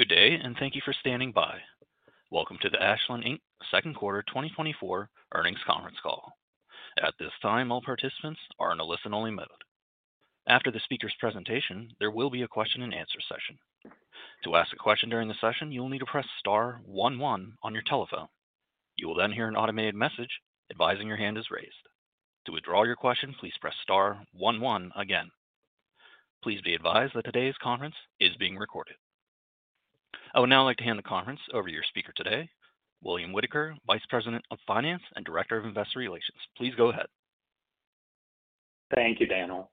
Good day and thank you for standing by. Welcome to the Ashland Inc. second quarter 2024 earnings conference call. At this time, all participants are in a listen-only mode. After the speaker's presentation, there will be a question-and-answer session. "To ask a question during the session, you will need to press star one one" on your telephone. You will then hear an automated message advising your hand is raised. "To withdraw your question, please press star one one" again. Please be advised that today's conference is being recorded. I would now like to hand the conference over to your speaker today, William Whitaker, Vice President of Finance and Director of Investor Relations. Please go ahead. Thank you, Daniel.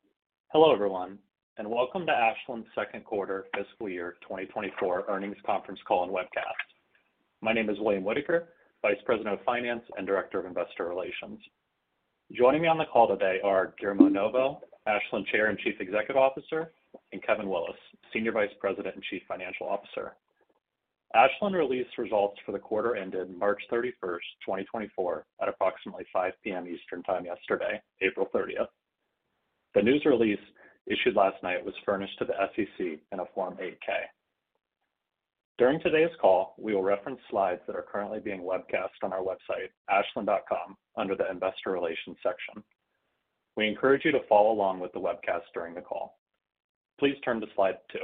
Hello everyone, and welcome to Ashland's second quarter fiscal year 2024 earnings conference call and webcast. My name is William Whitaker, Vice President of Finance and Director of Investor Relations. Joining me on the call today are Guillermo Novo, Ashland Chair and Chief Executive Officer, and Kevin Willis, Senior Vice President and Chief Financial Officer. Ashland released results for the quarter ended March 31st, 2024, at approximately 5:00 P.M. Eastern Time yesterday, April 30th. The news release issued last night was furnished to the SEC in a Form 8-K. During today's call, we will reference slides that are currently being webcast on our website, ashland.com, under the Investor Relations section. We encourage you to follow along with the webcast during the call. Please turn to slide 2.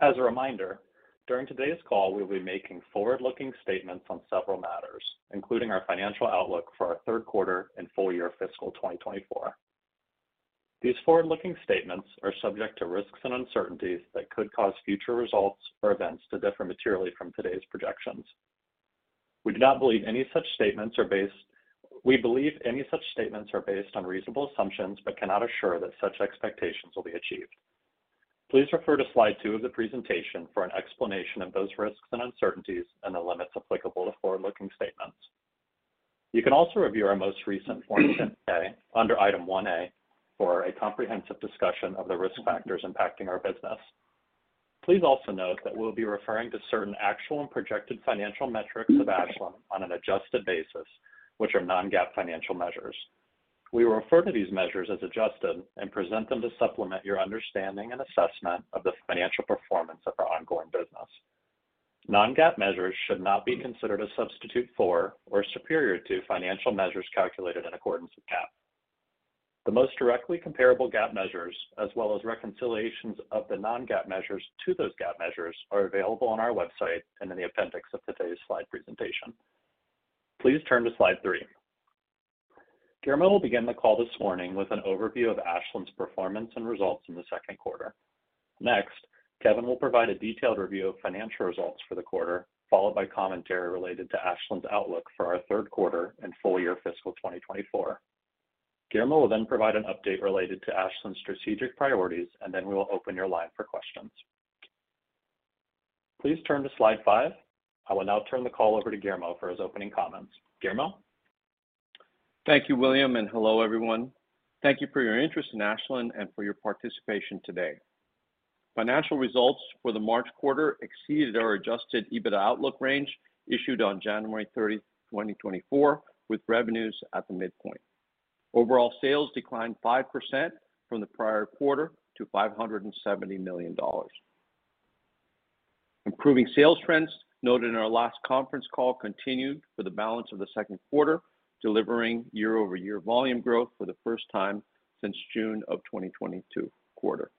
As a reminder, during today's call, we will be making forward-looking statements on several matters, including our financial outlook for our third quarter and full year fiscal 2024. These forward-looking statements are subject to risks and uncertainties that could cause future results or events to differ materially from today's projections. We believe any such statements are based on reasonable assumptions but cannot assure that such expectations will be achieved. Please refer to slide two of the presentation for an explanation of those risks and uncertainties and the limits applicable to forward-looking statements. You can also review our most recent Form 10-K under item 1A for a comprehensive discussion of the risk factors impacting our business. Please also note that we will be referring to certain actual and projected financial metrics of Ashland on an adjusted basis, which are non-GAAP financial measures. We will refer to these measures as adjusted and present them to supplement your understanding and assessment of the financial performance of our ongoing business. Non-GAAP measures should not be considered a substitute for or superior to financial measures calculated in accordance with GAAP. The most directly comparable GAAP measures, as well as reconciliations of the non-GAAP measures to those GAAP measures, are available on our website and in the appendix of today's slide presentation. Please turn to slide three. Guillermo will begin the call this morning with an overview of Ashland's performance and results in the second quarter. Next, Kevin will provide a detailed review of financial results for the quarter, followed by commentary related to Ashland's outlook for our third quarter and full year fiscal 2024. Guillermo will then provide an update related to Ashland's strategic priorities, and then we will open your line for questions. Please turn to slide five. I will now turn the call over to Guillermo for his opening comments. Guillermo? Thank you, William, and hello everyone. Thank you for your interest in Ashland and for your participation today. Financial results for the March quarter exceeded our Adjusted EBITDA outlook range issued on January 30th, 2024, with revenues at the midpoint. Overall sales declined 5% from the prior quarter to $570 million. Improving sales trends noted in our last conference call continued for the balance of the second quarter, delivering year-over-year volume growth for the first time since June of 2022 quarter.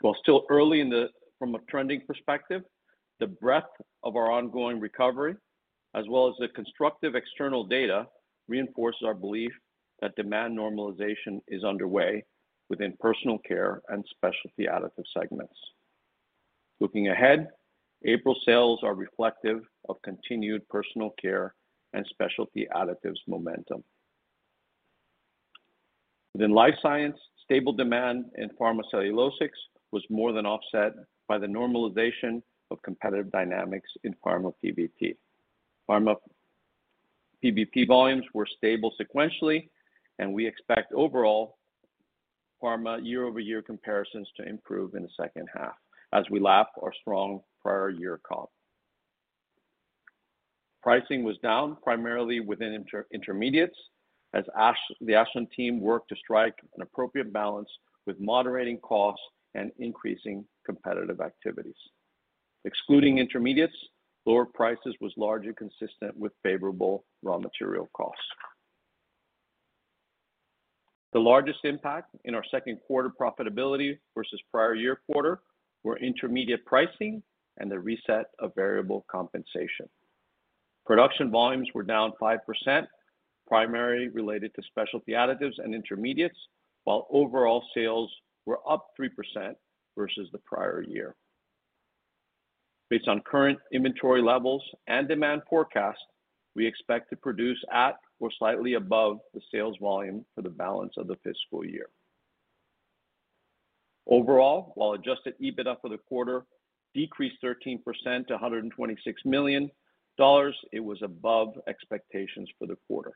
While still early from a trending perspective, the breadth of our ongoing recovery, as well as the constructive external data, reinforces our belief that demand normalization is underway within Personal Care and Specialty Additives segments. Looking ahead, April sales are reflective of continued Personal Care and Specialty Additives momentum. Within Life Sciences, stable demand in pharma cellulosics was more than offset by the normalization of competitive dynamics in pharma PBP. Pharma PBP volumes were stable sequentially, and we expect overall pharma year-over-year comparisons to improve in the second half as we lap our strong prior year comp. Pricing was down primarily within intermediates as the Ashland team worked to strike an appropriate balance with moderating costs and increasing competitive activities. Excluding intermediates, lower prices were largely consistent with favorable raw material costs. The largest impact in our second quarter profitability versus prior year quarter were intermediate pricing and the reset of variable compensation. Production volumes were down 5%, primarily related to specialty additives and intermediates, while overall sales were up 3% versus the prior year. Based on current inventory levels and demand forecast, we expect to produce at or slightly above the sales volume for the balance of the fiscal year. Overall, while Adjusted EBITDA for the quarter decreased 13% to $126 million, it was above expectations for the quarter.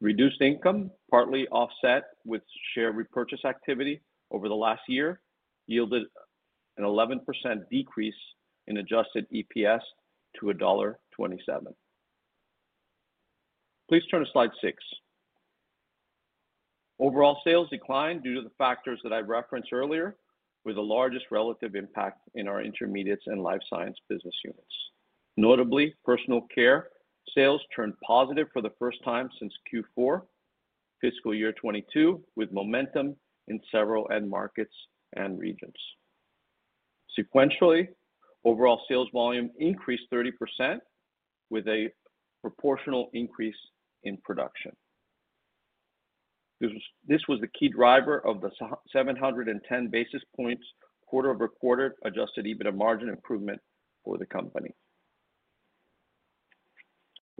Reduced income, partly offset with share repurchase activity over the last year, yielded an 11% decrease in adjusted EPS to $1.27. Please turn to slide six. Overall sales declined due to the factors that I referenced earlier, with the largest relative impact in our Intermediates and Life Sciences business units. Notably, Personal Care sales turned positive for the first time since Q4 fiscal year 2022, with momentum in several end markets and regions. Sequentially, overall sales volume increased 30% with a proportional increase in production. This was the key driver of the 710 basis points quarter-over-quarter adjusted EBITDA margin improvement for the company.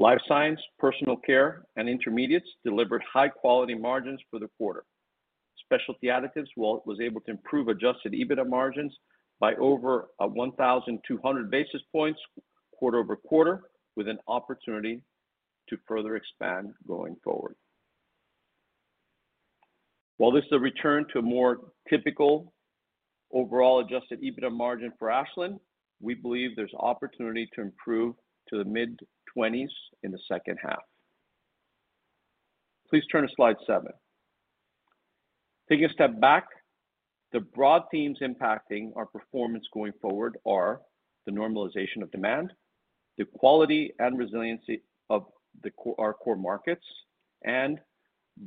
Life Sciences, Personal Care, and Intermediates delivered high-quality margins for the quarter. Specialty Additives were able to improve adjusted EBITDA margins by over 1,200 basis points quarter-over-quarter, with an opportunity to further expand going forward. While this is a return to a more typical overall adjusted EBITDA margin for Ashland, we believe there's opportunity to improve to the mid-20s in the second half. Please turn to slide seven. Taking a step back, the broad themes impacting our performance going forward are the normalization of demand, the quality and resiliency of our core markets, and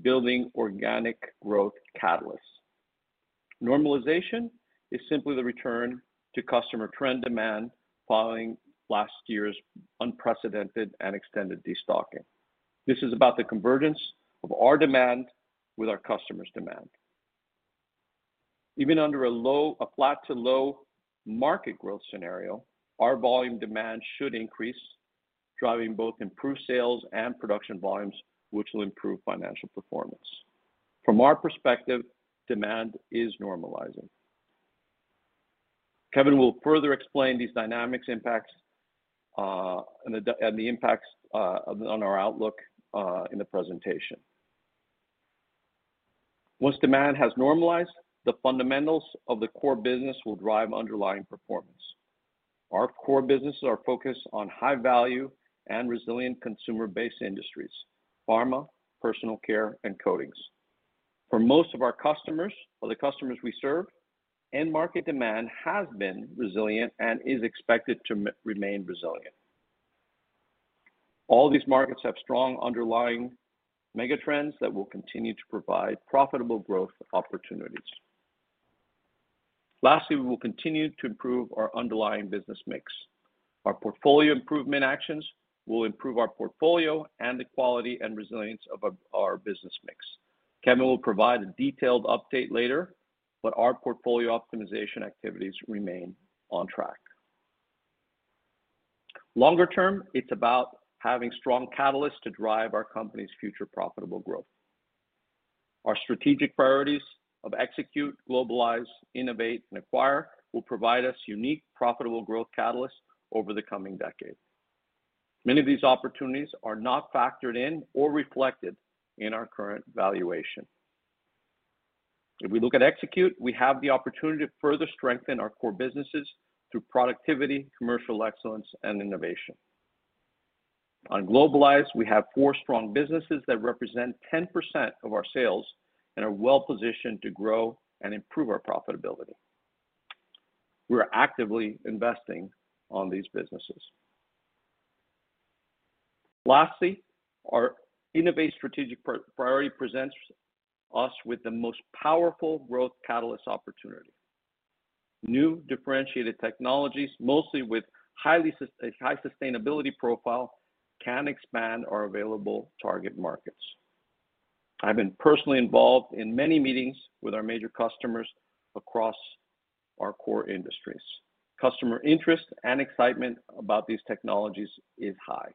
building organic growth catalysts. Normalization is simply the return to customer trend demand following last year's unprecedented and extended destocking. This is about the convergence of our demand with our customers' demand. Even under a flat-to-low market growth scenario, our volume demand should increase, driving both improved sales and production volumes, which will improve financial performance. From our perspective, demand is normalizing. Kevin will further explain these dynamics impacts and the impacts on our outlook in the presentation. Once demand has normalized, the fundamentals of the core business will drive underlying performance. Our core businesses are focused on high-value and resilient consumer-based industries: pharma, personal care, and coatings. For most of our customers, or the customers we serve, end market demand has been resilient and is expected to remain resilient. All these markets have strong underlying megatrends that will continue to provide profitable growth opportunities. Lastly, we will continue to improve our underlying business mix. Our portfolio improvement actions will improve our portfolio and the quality and resilience of our business mix. Kevin will provide a detailed update later, but our portfolio optimization activities remain on track. Longer term, it's about having strong catalysts to drive our company's future profitable growth. Our strategic priorities of execute, globalize, innovate, and acquire will provide us unique profitable growth catalysts over the coming decade. Many of these opportunities are not factored in or reflected in our current valuation. If we look at execute, we have the opportunity to further strengthen our core businesses through productivity, commercial excellence, and innovation. On globalize, we have four strong businesses that represent 10% of our sales and are well positioned to grow and improve our profitability. We are actively investing on these businesses. Lastly, our innovative strategic priority presents us with the most powerful growth catalyst opportunity. New differentiated technologies, mostly with a high sustainability profile, can expand our available target markets. I've been personally involved in many meetings with our major customers across our core industries. Customer interest and excitement about these technologies is high.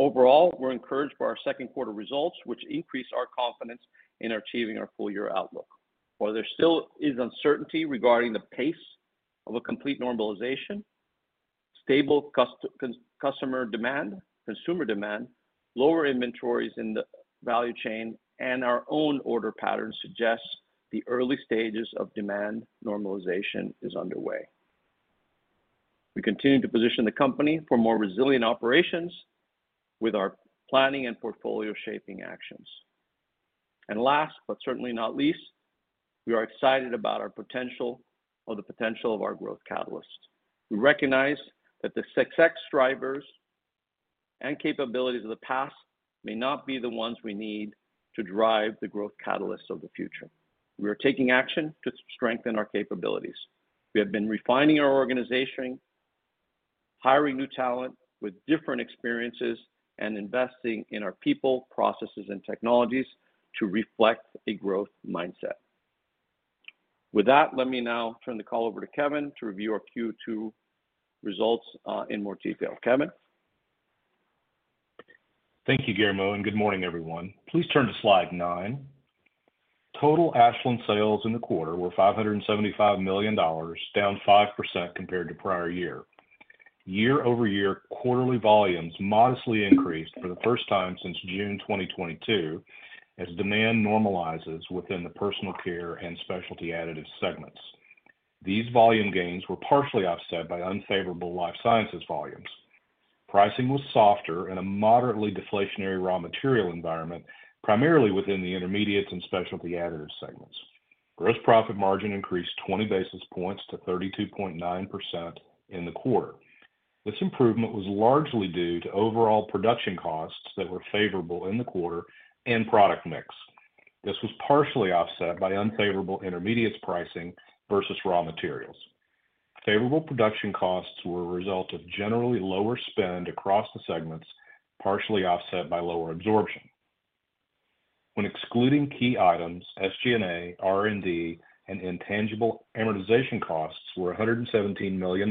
Overall, we're encouraged by our second quarter results, which increase our confidence in achieving our full year outlook. While there still is uncertainty regarding the pace of a complete normalization, stable customer demand, lower inventories in the value chain, and our own order pattern suggest the early stages of demand normalization are underway. We continue to position the company for more resilient operations with our planning and portfolio shaping actions. And last but certainly not least, we are excited about the potential of our growth catalysts. We recognize that the success drivers and capabilities of the past may not be the ones we need to drive the growth catalysts of the future. We are taking action to strengthen our capabilities. We have been refining our organization, hiring new talent with different experiences, and investing in our people, processes, and technologies to reflect a growth mindset. With that, let me now turn the call over to Kevin to review our Q2 results in more detail. Kevin? Thank you, Guillermo, and good morning, everyone. Please turn to slide nine. Total Ashland sales in the quarter were $575 million, down 5% compared to prior year. Year-over-year, quarterly volumes modestly increased for the first time since June 2022 as demand normalizes within the Personal Care and Specialty Additives segments. These volume gains were partially offset by unfavorable Life Sciences volumes. Pricing was softer in a moderately deflationary raw material environment, primarily within the Intermediates and Specialty Additives segments. Gross profit margin increased 20 basis points to 32.9% in the quarter. This improvement was largely due to overall production costs that were favorable in the quarter and product mix. This was partially offset by unfavorable Intermediates pricing versus raw materials. Favorable production costs were a result of generally lower spend across the segments, partially offset by lower absorption. When excluding key items, SG&A, R&D, and intangible amortization costs were $117 million,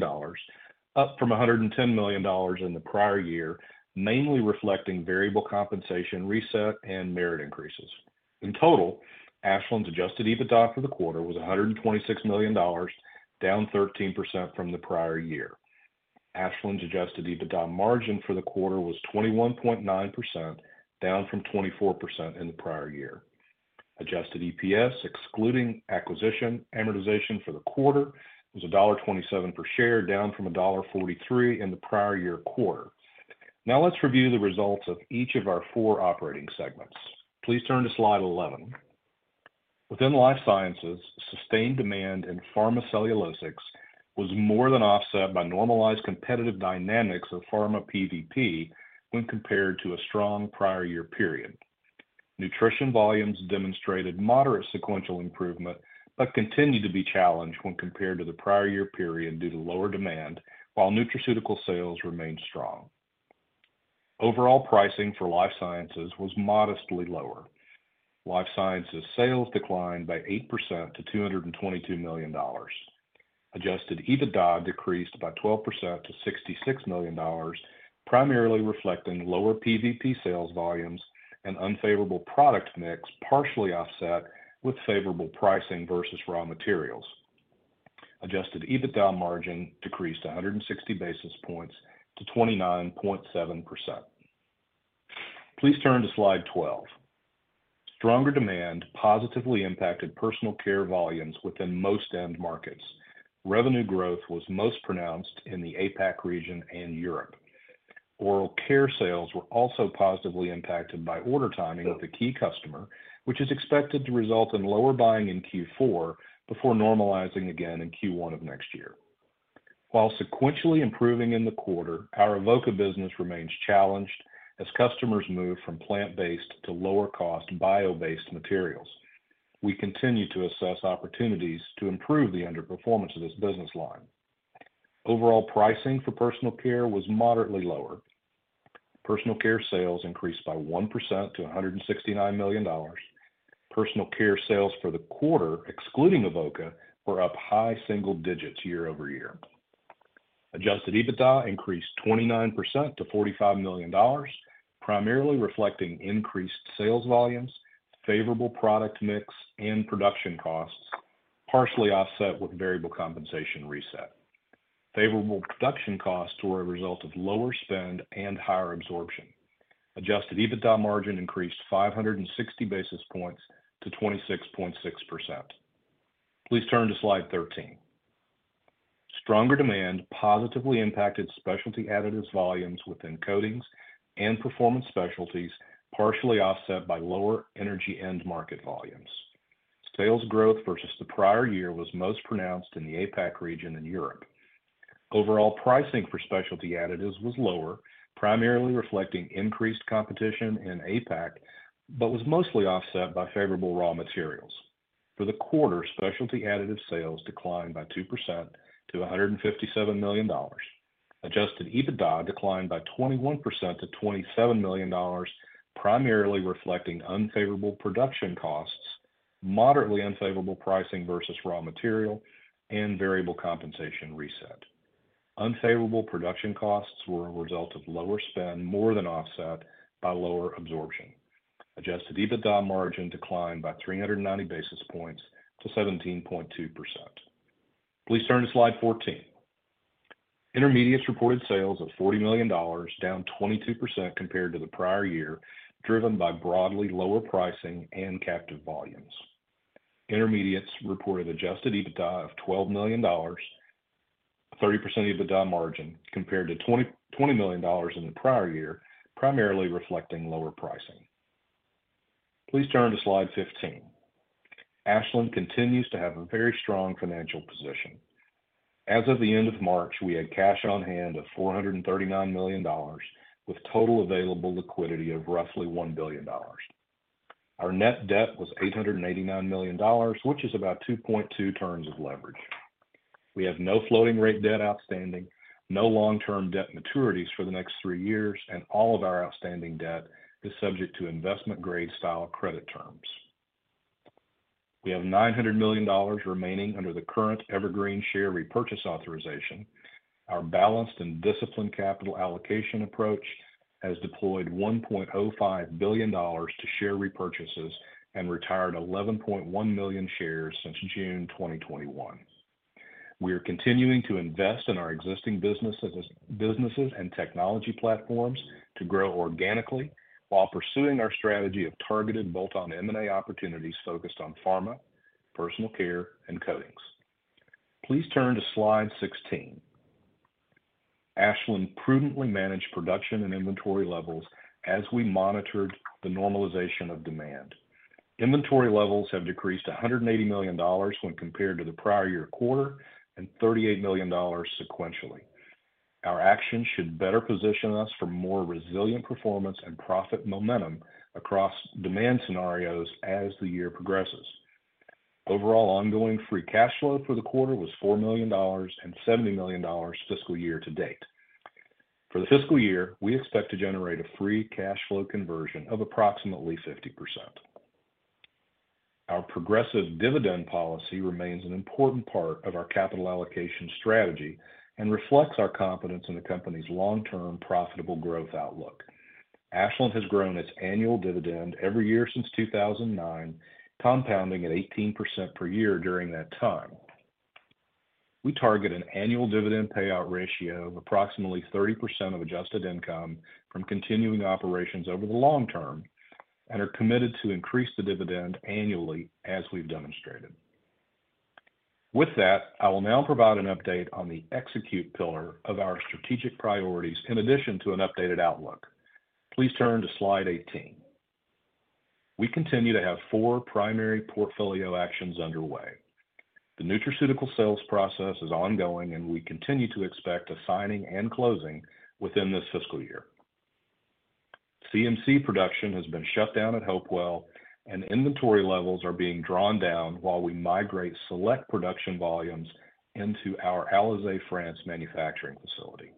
up from $110 million in the prior year, mainly reflecting variable compensation, reset, and merit increases. In total, Ashland's Adjusted EBITDA for the quarter was $126 million, down 13% from the prior year. Ashland's Adjusted EBITDA margin for the quarter was 21.9%, down from 24% in the prior year. Adjusted EPS, excluding acquisition amortization for the quarter, was $1.27 per share, down from $1.43 in the prior year quarter. Now let's review the results of each of our four operating segments. Please turn to slide 11. Within Life Sciences, sustained demand in pharma cellulosics was more than offset by normalized competitive dynamics of pharma PBP when compared to a strong prior year period. Nutrition volumes demonstrated moderate sequential improvement but continued to be challenged when compared to the prior year period due to lower demand, while nutraceutical sales remained strong. Overall pricing for Life Sciences was modestly lower. Life Sciences sales declined by 8% to $222 million. Adjusted EBITDA decreased by 12% to $66 million, primarily reflecting lower PBP sales volumes and unfavorable product mix, partially offset with favorable pricing versus raw materials. Adjusted EBITDA margin decreased 160 basis points to 29.7%. Please turn to slide 12. Stronger demand positively impacted Personal Care volumes within most end markets. Revenue growth was most pronounced in the APAC region and Europe. Oral care sales were also positively impacted by order timing with a key customer, which is expected to result in lower buying in Q4 before normalizing again in Q1 of next year. While sequentially improving in the quarter, our Avoca business remains challenged as customers move from plant-based to lower-cost bio-based materials. We continue to assess opportunities to improve the underperformance of this business line. Overall pricing for Personal Care was moderately lower. Personal care sales increased by 1% to $169 million. Personal care sales for the quarter, excluding Avoca, were up high single digits year-over-year. Adjusted EBITDA increased 29% to $45 million, primarily reflecting increased sales volumes, favorable product mix, and production costs, partially offset with variable compensation reset. Favorable production costs were a result of lower spend and higher absorption. Adjusted EBITDA margin increased 560 basis points to 26.6%. Please turn to slide 13. Stronger demand positively impacted specialty additive volumes within coatings and performance specialties, partially offset by lower energy end market volumes. Sales growth versus the prior year was most pronounced in the APAC region and Europe. Overall pricing for Specialty Additives was lower, primarily reflecting increased competition in APAC, but was mostly offset by favorable raw materials. For the quarter, Specialty Additives sales declined by 2% to $157 million. Adjusted EBITDA declined by 21% to $27 million, primarily reflecting unfavorable production costs, moderately unfavorable pricing versus raw material, and variable compensation reset. Unfavorable production costs were a result of lower spend more than offset by lower absorption. Adjusted EBITDA margin declined by 390 basis points to 17.2%. Please turn to slide 14. Intermediates reported sales of $40 million, down 22% compared to the prior year, driven by broadly lower pricing and captive volumes. Intermediates reported adjusted EBITDA of $12 million, 30% EBITDA margin compared to $20 million in the prior year, primarily reflecting lower pricing. Please turn to slide 15. Ashland continues to have a very strong financial position. As of the end of March, we had cash on hand of $439 million with total available liquidity of roughly $1 billion. Our net debt was $889 million, which is about 2.2 turns of leverage. We have no floating-rate debt outstanding, no long-term debt maturities for the next three years, and all of our outstanding debt is subject to investment-grade style credit terms. We have $900 million remaining under the current Evergreen share repurchase authorization. Our balanced and disciplined capital allocation approach has deployed $1.05 billion to share repurchases and retired 11.1 million shares since June 2021. We are continuing to invest in our existing businesses and technology platforms to grow organically while pursuing our strategy of targeted bolt-on M&A opportunities focused on pharma, personal care, and coatings. Please turn to slide 16. Ashland prudently managed production and inventory levels as we monitored the normalization of demand. Inventory levels have decreased $180 million when compared to the prior year quarter and $38 million sequentially. Our actions should better position us for more resilient performance and profit momentum across demand scenarios as the year progresses. Overall ongoing free cash flow for the quarter was $4 million and $70 million fiscal year to date. For the fiscal year, we expect to generate a free cash flow conversion of approximately 50%. Our progressive dividend policy remains an important part of our capital allocation strategy and reflects our confidence in the company's long-term profitable growth outlook. Ashland has grown its annual dividend every year since 2009, compounding at 18% per year during that time. We target an annual dividend payout ratio of approximately 30% of adjusted income from continuing operations over the long term and are committed to increase the dividend annually, as we've demonstrated. With that, I will now provide an update on the execute pillar of our strategic priorities in addition to an updated outlook. Please turn to slide 18. We continue to have four primary portfolio actions underway. The nutraceutical sales process is ongoing, and we continue to expect assigning and closing within this fiscal year. CMC production has been shut down at Hopewell, and inventory levels are being drawn down while we migrate select production volumes into our Alizay, France manufacturing facility.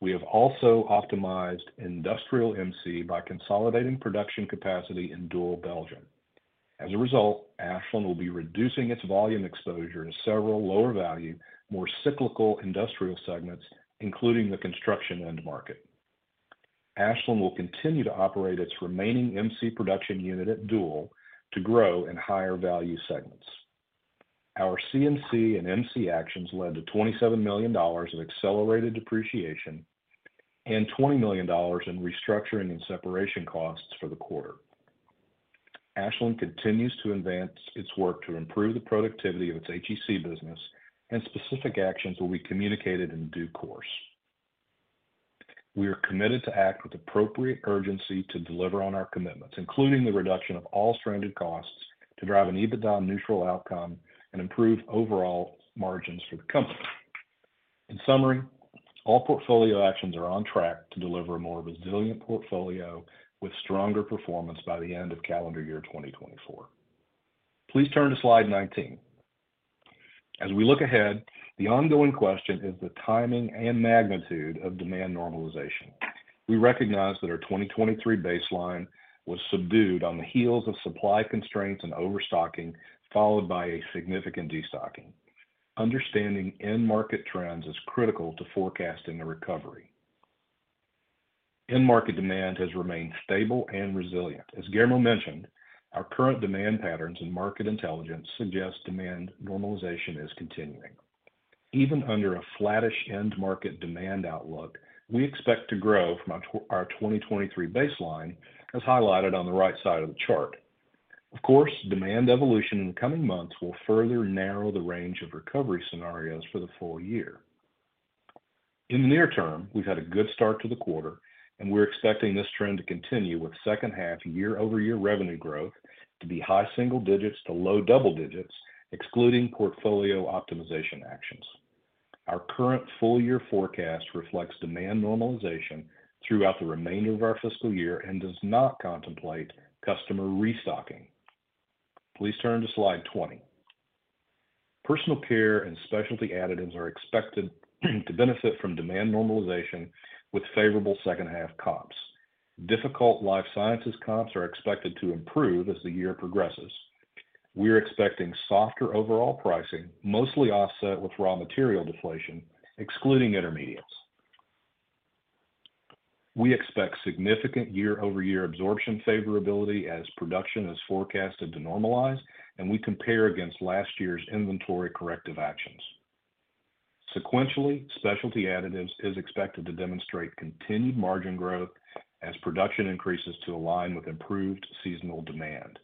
We have also optimized Industrial MC by consolidating production capacity in Doel, Belgium. As a result, Ashland will be reducing its volume exposure to several lower-value, more cyclical industrial segments, including the construction end market. Ashland will continue to operate its remaining MC production unit at Doel to grow in higher-value segments. Our CMC and MC actions led to $27 million of accelerated depreciation and $20 million in restructuring and separation costs for the quarter. Ashland continues to advance its work to improve the productivity of its HEC business, and specific actions will be communicated in due course. We are committed to act with appropriate urgency to deliver on our commitments, including the reduction of all stranded costs to drive an EBITDA neutral outcome and improve overall margins for the company. In summary, all portfolio actions are on track to deliver a more resilient portfolio with stronger performance by the end of calendar year 2024. Please turn to slide 19. As we look ahead, the ongoing question is the timing and magnitude of demand normalization. We recognize that our 2023 baseline was subdued on the heels of supply constraints and overstocking, followed by a significant destocking. Understanding end market trends is critical to forecasting a recovery. End market demand has remained stable and resilient. As Guillermo mentioned, our current demand patterns and market intelligence suggest demand normalization is continuing. Even under a flat-ish end market demand outlook, we expect to grow from our 2023 baseline, as highlighted on the right side of the chart. Of course, demand evolution in the coming months will further narrow the range of recovery scenarios for the full year. In the near term, we've had a good start to the quarter, and we're expecting this trend to continue with second-half year-over-year revenue growth to be high single digits to low double digits, excluding portfolio optimization actions. Our current full-year forecast reflects demand normalization throughout the remainder of our fiscal year and does not contemplate customer restocking. Please turn to slide 20. Personal Care and Specialty Additives are expected to benefit from demand normalization with favorable second-half comps. Difficult Life Sciences comps are expected to improve as the year progresses. We are expecting softer overall pricing, mostly offset with raw material deflation, excluding Intermediates. We expect significant year-over-year absorption favorability as production is forecasted to normalize, and we compare against last year's inventory corrective actions. Sequentially, Specialty Additives is expected to demonstrate continued margin growth as production increases to align with improved seasonal demand.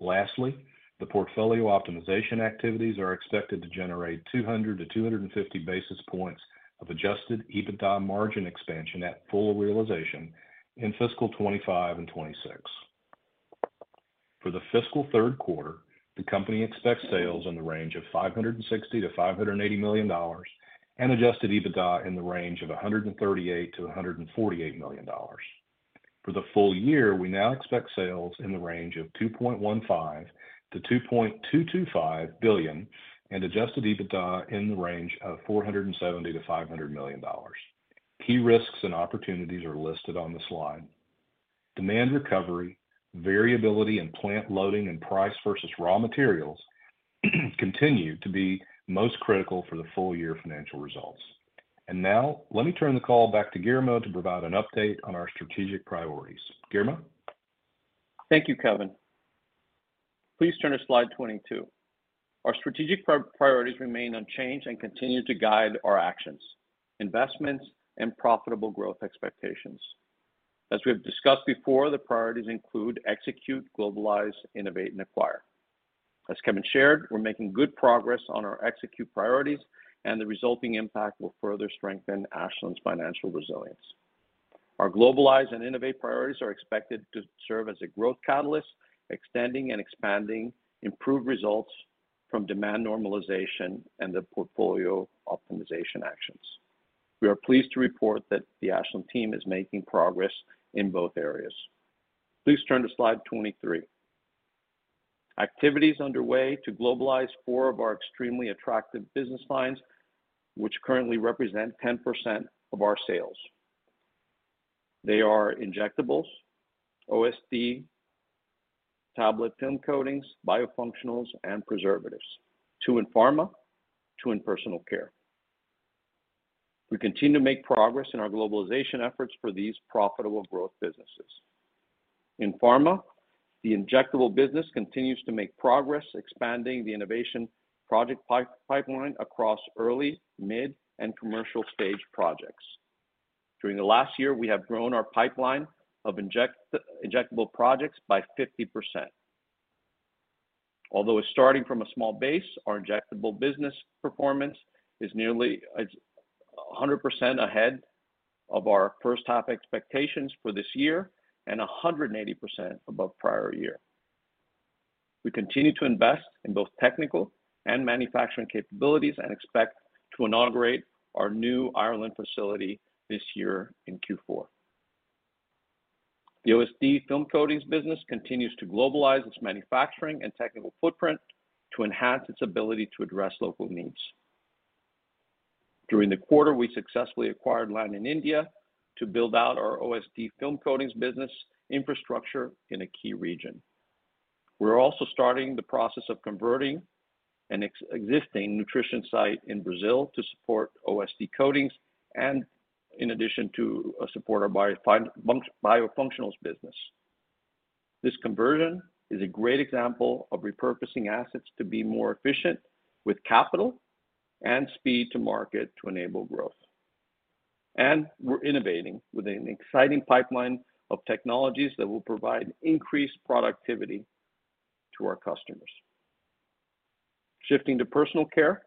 Lastly, the portfolio optimization activities are expected to generate 200-250 basis points of Adjusted EBITDA margin expansion at full realization in fiscal 2025 and 2026. For the fiscal third quarter, the company expects sales in the range of $560-$580 million and Adjusted EBITDA in the range of $138-$148 million. For the full year, we now expect sales in the range of $2.15-$2.225 billion and Adjusted EBITDA in the range of $470-$500 million. Key risks and opportunities are listed on the slide. Demand recovery, variability in plant loading and price versus raw materials continue to be most critical for the full-year financial results. Now let me turn the call back to Guillermo to provide an update on our strategic priorities. Guillermo? Thank you, Kevin. Please turn to slide 22. Our strategic priorities remain unchanged and continue to guide our actions: investments and profitable growth expectations. As we have discussed before, the priorities include execute, globalize, innovate, and acquire. As Kevin shared, we're making good progress on our execute priorities, and the resulting impact will further strengthen Ashland's financial resilience. Our globalize and innovate priorities are expected to serve as a growth catalyst, extending and expanding improved results from demand normalization and the portfolio optimization actions. We are pleased to report that the Ashland team is making progress in both areas. Please turn to slide 23. Activities underway to globalize four of our extremely attractive business lines, which currently represent 10% of our sales. They are injectables, OSD, tablet film coatings, biofunctionals, and preservatives. Two in pharma, two in Personal Care. We continue to make progress in our globalization efforts for these profitable growth businesses. In pharma, the injectable business continues to make progress, expanding the innovation project pipeline across early, mid, and commercial stage projects. During the last year, we have grown our pipeline of injectable projects by 50%. Although it's starting from a small base, our injectable business performance is nearly 100% ahead of our first half expectations for this year and 180% above prior year. We continue to invest in both technical and manufacturing capabilities and expect to inaugurate our new Ireland facility this year in Q4. The OSD film coatings business continues to globalize its manufacturing and technical footprint to enhance its ability to address local needs. During the quarter, we successfully acquired land in India to build out our OSD film coatings business infrastructure in a key region. We are also starting the process of converting an existing nutrition site in Brazil to support OSD coatings and, in addition, to support our Biofunctionals business. This conversion is a great example of repurposing assets to be more efficient with capital and speed to market to enable growth. We're innovating with an exciting pipeline of technologies that will provide increased productivity to our customers. Shifting to Personal Care,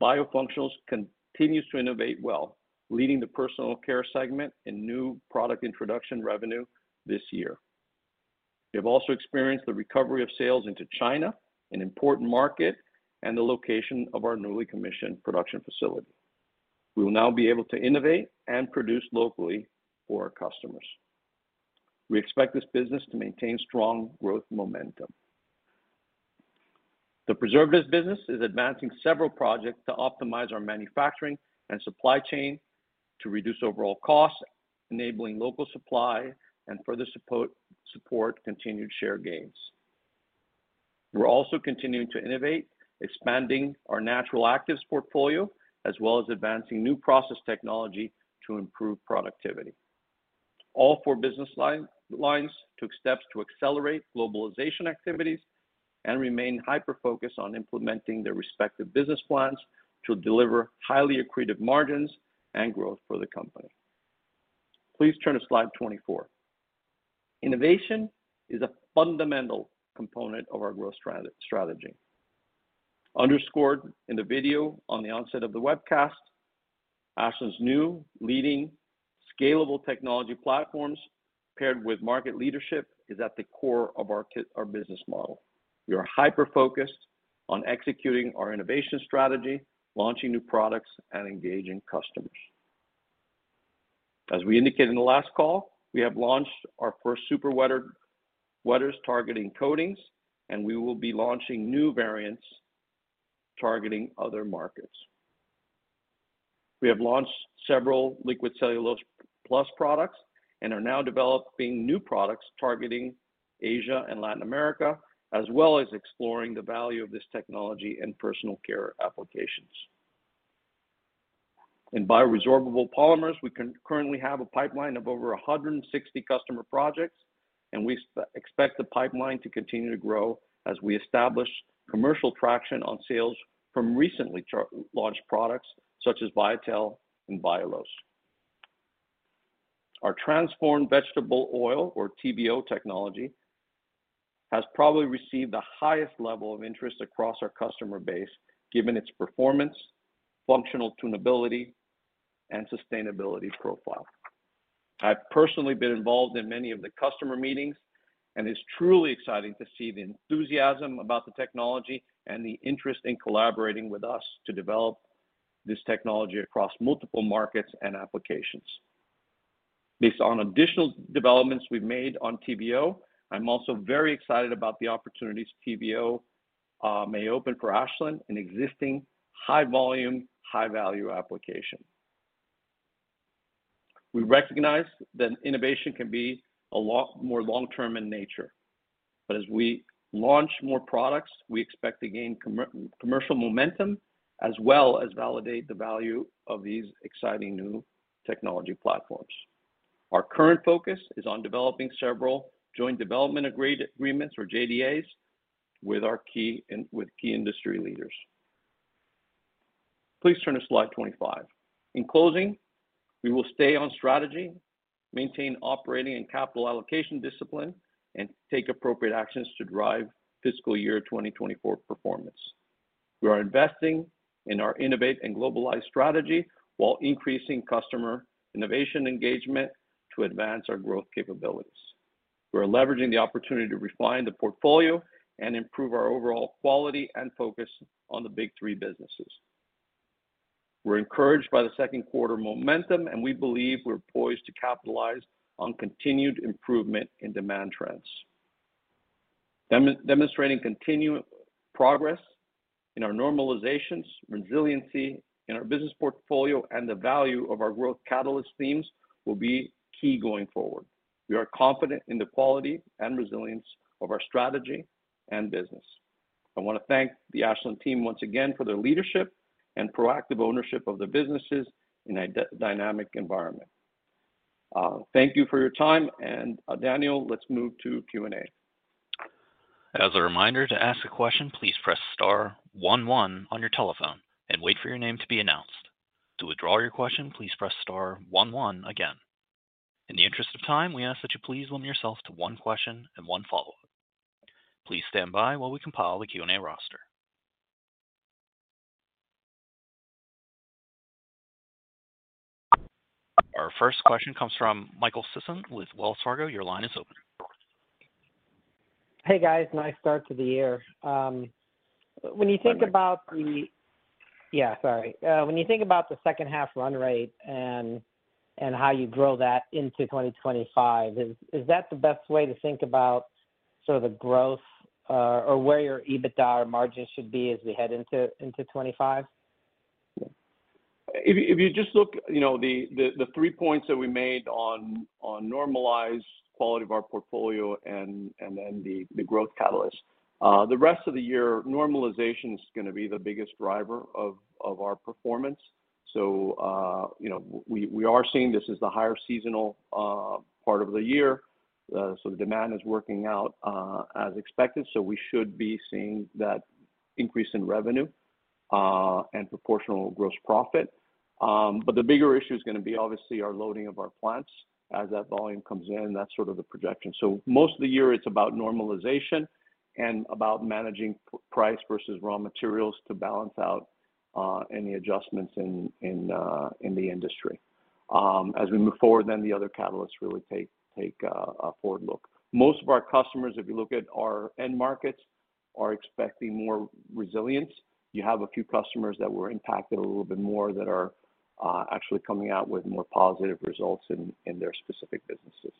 Biofunctionals continues to innovate well, leading the Personal Care segment in new product introduction revenue this year. We have also experienced the recovery of sales into China, an important market, and the location of our newly commissioned production facility. We will now be able to innovate and produce locally for our customers. We expect this business to maintain strong growth momentum. The preservatives business is advancing several projects to optimize our manufacturing and supply chain to reduce overall costs, enabling local supply and further support continued share gains. We're also continuing to innovate, expanding our natural actives portfolio, as well as advancing new process technology to improve productivity. All four business lines took steps to accelerate globalization activities and remain hyper-focused on implementing their respective business plans to deliver highly accretive margins and growth for the company. Please turn to slide 24. Innovation is a fundamental component of our growth strategy. Underscored in the video on the onset of the webcast, Ashland's new leading scalable technology platforms, paired with market leadership, is at the core of our business model. We are hyper-focused on executing our innovation strategy, launching new products, and engaging customers. As we indicated in the last call, we have launched our first super wetters targeting coatings, and we will be launching new variants targeting other markets. We have launched several Liquid Cellulose Plus products and are now developing new products targeting Asia and Latin America, as well as exploring the value of this technology in Personal Care applications. In bioresorbable polymers, we currently have a pipeline of over 160 customer projects, and we expect the pipeline to continue to grow as we establish commercial traction on sales from recently launched products such as Viatel and Vialose. Our Transformed Vegetable Oil, or TVO, technology has probably received the highest level of interest across our customer base, given its performance, functional tunability, and sustainability profile. I've personally been involved in many of the customer meetings, and it's truly exciting to see the enthusiasm about the technology and the interest in collaborating with us to develop this technology across multiple markets and applications. Based on additional developments we've made on TVO, I'm also very excited about the opportunities TVO may open for Ashland, an existing high-volume, high-value application. We recognize that innovation can be a lot more long-term in nature. But as we launch more products, we expect to gain commercial momentum as well as validate the value of these exciting new technology platforms. Our current focus is on developing several joint development agreements, or JDAs, with our key industry leaders. Please turn to slide 25. In closing, we will stay on strategy, maintain operating and capital allocation discipline, and take appropriate actions to drive fiscal year 2024 performance. We are investing in our innovate and globalize strategy while increasing customer innovation engagement to advance our growth capabilities. We're leveraging the opportunity to refine the portfolio and improve our overall quality and focus on the big three businesses. We're encouraged by the second quarter momentum, and we believe we're poised to capitalize on continued improvement in demand trends. Demonstrating continued progress in our normalizations, resiliency in our business portfolio, and the value of our growth catalyst themes will be key going forward. We are confident in the quality and resilience of our strategy and business. I want to thank the Ashland team once again for their leadership and proactive ownership of the businesses in a dynamic environment. Thank you for your time, and Daniel, let's move to Q&A. As a reminder, to ask a question, please press star 11 on your telephone and wait for your name to be announced. To withdraw your question, please press star 11 again. In the interest of time, we ask that you please limit yourself to one question and one follow-up. Please stand by while we compile the Q&A roster. Our first question comes from Michael Sisson with Wells Fargo. Your line is open. Hey guys, nice start to the year. When you think about the second-half run rate and how you grow that into 2025, is that the best way to think about sort of the growth or where your EBITDA or margins should be as we head into 2025? If you just look at the three points that we made on normalized quality of our portfolio and then the growth catalyst, the rest of the year, normalization is going to be the biggest driver of our performance. So we are seeing this as the higher seasonal part of the year. So the demand is working out as expected, so we should be seeing that increase in revenue and proportional gross profit. But the bigger issue is going to be, obviously, our loading of our plants. As that volume comes in, that's sort of the projection. So most of the year, it's about normalization and about managing price versus raw materials to balance out any adjustments in the industry. As we move forward, then the other catalysts really take a forward look. Most of our customers, if you look at our end markets, are expecting more resilience. You have a few customers that were impacted a little bit more that are actually coming out with more positive results in their specific businesses.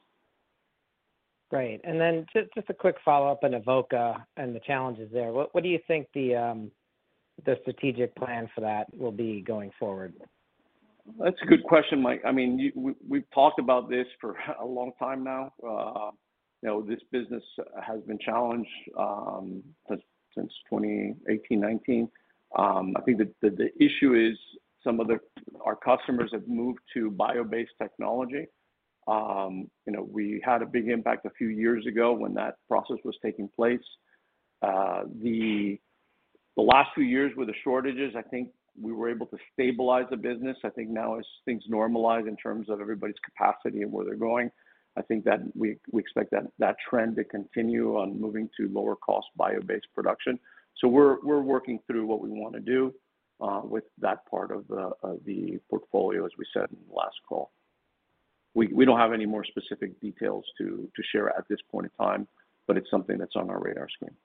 Great. And then just a quick follow-up on Avoca and the challenges there. What do you think the strategic plan for that will be going forward? That's a good question, Mike. I mean, we've talked about this for a long time now. This business has been challenged since 2018, 2019. I think that the issue is some of our customers have moved to bio-based technology. We had a big impact a few years ago when that process was taking place. The last few years with the shortages, I think we were able to stabilize the business. I think now as things normalize in terms of everybody's capacity and where they're going, I think that we expect that trend to continue on moving to lower-cost bio-based production. So we're working through what we want to do with that part of the portfolio, as we said in the last call. We don't have any more specific details to share at this point in time, but it's something that's on our radar screen.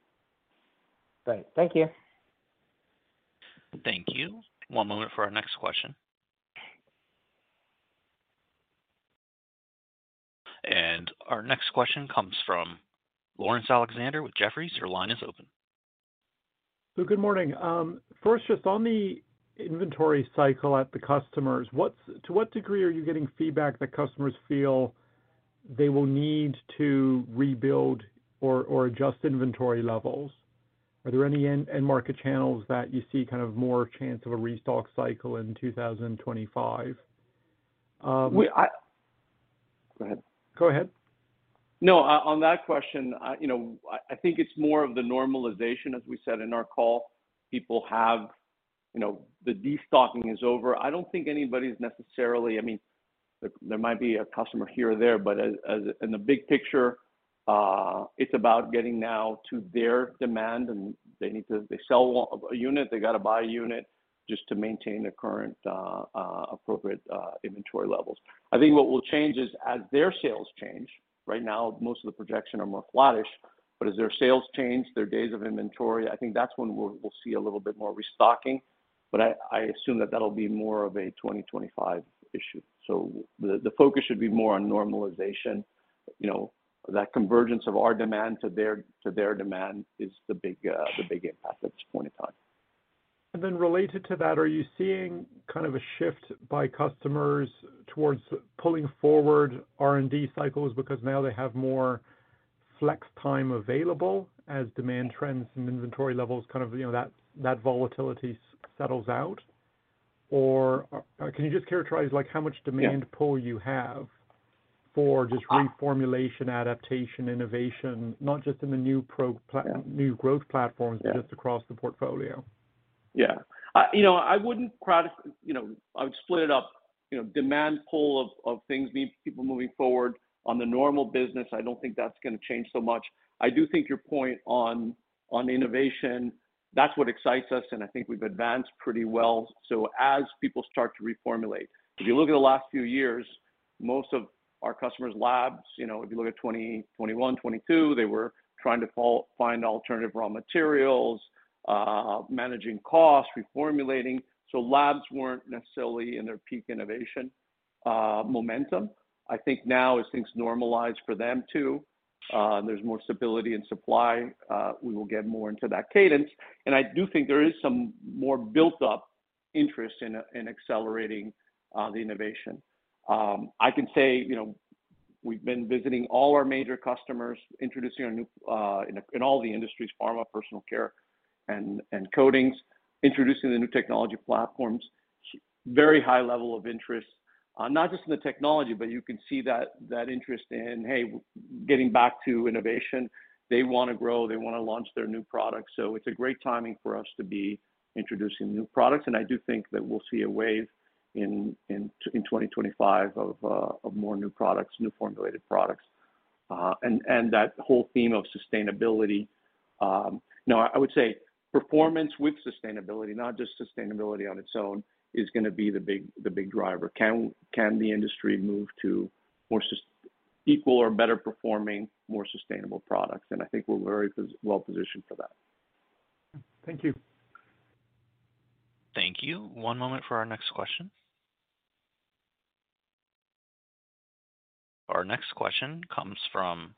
Great. Thank you. Thank you. One moment for our next question. Our next question comes from Laurence Alexander with Jefferies. Your line is open. Good morning. First, just on the inventory cycle at the customers, to what degree are you getting feedback that customers feel they will need to rebuild or adjust inventory levels? Are there any end-market channels that you see kind of more chance to restock cycle in 2025. Ah, we. Go ahead No on that question, you know, I think it's more of the normalization. As we said in our call, people have the destocking is over. I don't think anybody's necessarily. I mean, there might be a customer here or there, but in the big picture, it's about getting now to their demand and they need to sell a unit, they got to buy a unit just to maintain the current appropriate inventory levels. I think what will change is as their sales change. Right now, most of the projection are more flattish, but as their sales change, their days of inventory, I think that's when we'll see a little bit more restocking. But I assume that that'll be more of a 2025 issue. So the focus should be more on normalization. That convergence of our demand to their demand is the big impact at this point in time. And then related to that, are you seeing kind of a shift by customers towards pulling forward R&D cycles because now they have more flex time available as demand trends and inventory levels kind of that volatility settles out? Or can you just characterize how much demand pull you have for just reformulation, adaptation, innovation, not just in the new growth platforms, but just across the portfolio? Yeah. I wouldn't. I would split it up. Demand pull of things mean people moving forward on the normal business. I don't think that's going to change so much. I do think your point on innovation, that's what excites us, and I think we've advanced pretty well. So as people start to reformulate, if you look at the last few years, most of our customers' labs, if you look at 2021, 2022, they were trying to find alternative raw materials, managing costs, reformulating. So labs weren't necessarily in their peak innovation momentum. I think now as things normalize for them too, there's more stability in supply, we will get more into that cadence. And I do think there is some more built-up interest in accelerating the innovation. I can say we've been visiting all our major customers, introducing our new in all the industries, pharma, personal care, and coatings, introducing the new technology platforms. Very high level of interest, not just in the technology, but you can see that interest in, hey, getting back to innovation. They want to grow. They want to launch their new products. So it's a great timing for us to be introducing new products. And I do think that we'll see a wave in 2025 of more new products, new formulated products, and that whole theme of sustainability. No, I would say performance with sustainability, not just sustainability on its own, is going to be the big driver. Can the industry move to more equal or better performing, more sustainable products? And I think we're very well positioned for that. Thank you. Thank you. One moment for our next question. Our next question comes from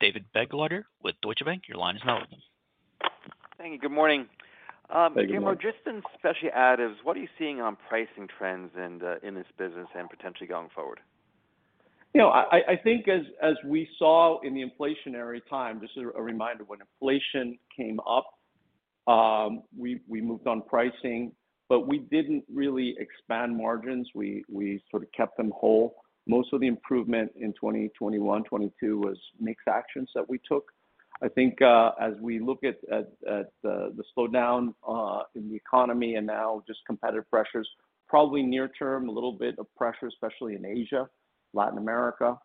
David Begleiter with Deutsche Bank. Your line is now open. Thank you. Good morning. Thank you. Just in Specialty Additives, what are you seeing on pricing trends in this business and potentially going forward? I think as we saw in the inflationary time, just a reminder, when inflation came up, we moved on pricing, but we didn't really expand margins. We sort of kept them whole. Most of the improvement in 2021, 2022 was mixed actions that we took. I think as we look at the slowdown in the economy and now just competitive pressures, probably near-term, a little bit of pressure, especially in Asia, Latin America,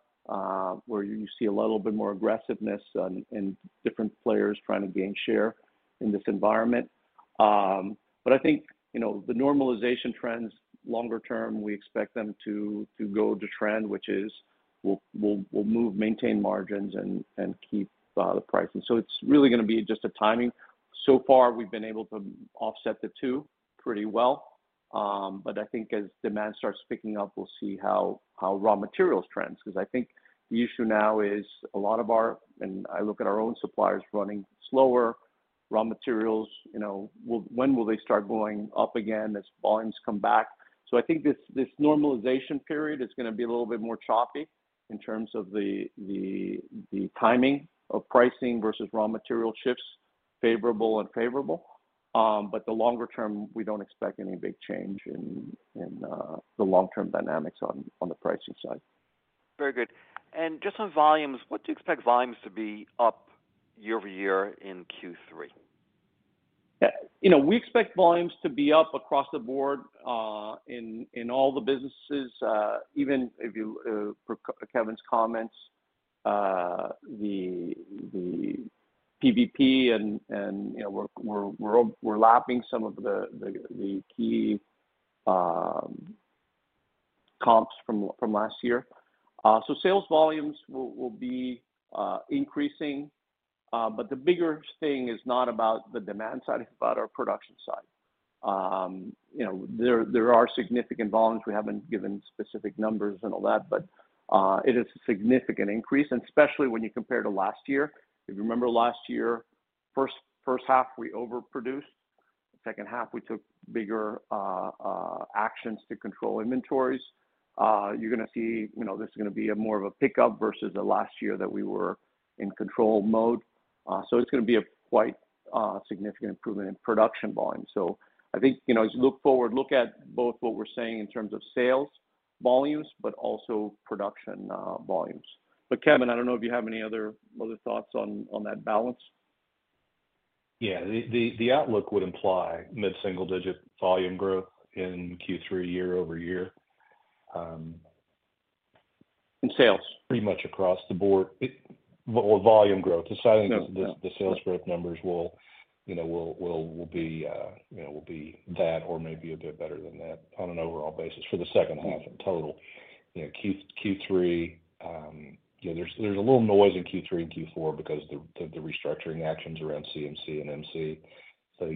where you see a little bit more aggressiveness and different players trying to gain share in this environment. But I think the normalization trends longer term, we expect them to go to trend, which is we'll move, maintain margins, and keep the pricing. So it's really going to be just a timing. So far, we've been able to offset the two pretty well. But I think as demand starts picking up, we'll see how raw materials trends. Because I think the issue now is a lot of our and I look at our own suppliers running slower. Raw materials, when will they start going up again as volumes come back? So I think this normalization period is going to be a little bit more choppy in terms of the timing of pricing versus raw material shifts, favorable and favorable. But the longer term, we don't expect any big change in the long-term dynamics on the pricing side. Very good. And just on volumes, what do you expect volumes to be up year-over-year in Q3? We expect volumes to be up across the board in all the businesses. Even following Kevin's comments, the PVP, and we're lapping some of the key comps from last year. So sales volumes will be increasing. But the bigger thing is not about the demand side, it's about our production side. There are significant volumes. We haven't given specific numbers and all that, but it is a significant increase, especially when you compare to last year. If you remember last year, first half, we overproduced. Second half, we took bigger actions to control inventories. You're going to see this is going to be more of a pickup versus the last year that we were in control mode. So it's going to be a quite significant improvement in production volume. So I think as you look forward, look at both what we're saying in terms of sales volumes, but also production volumes. But Kevin, I don't know if you have any other thoughts on that balance. Yeah. The outlook would imply mid-single-digit volume growth in Q3 year-over-year. In sales? Pretty much across the board. Well, volume growth. The sales growth numbers will be that or maybe a bit better than that on an overall basis for the second half in total. Q3, there's a little noise in Q3 and Q4 because of the restructuring actions around CMC and MC. So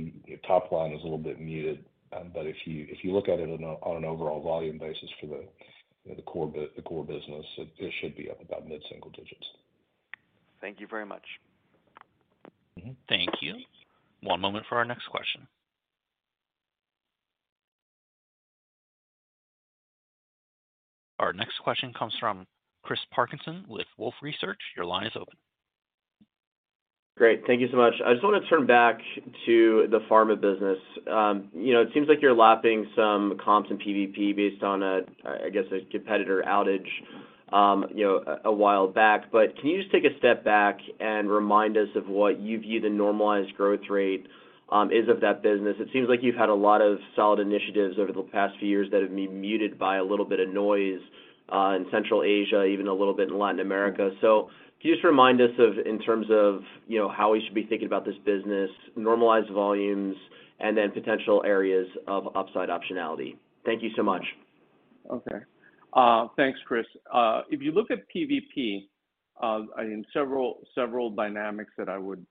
top line is a little bit muted. But if you look at it on an overall volume basis for the core business, it should be up about mid-single digits. Thank you very much. Thank you. One moment for our next question. Our next question comes from Chris Parkinson with Wolfe Research. Your line is open. Great. Thank you so much. I just want to turn back to the pharma business. It seems like you're lapping some comps and PVP based on, I guess, a competitor outage a while back. But can you just take a step back and remind us of what you view the normalized growth rate is of that business? It seems like you've had a lot of solid initiatives over the past few years that have been muted by a little bit of noise in Central Asia, even a little bit in Latin America. So can you just remind us of in terms of how we should be thinking about this business, normalized volumes, and then potential areas of upside optionality? Thank you so much. Okay. Thanks, Chris. If you look at PVP, I mean, several dynamics that I would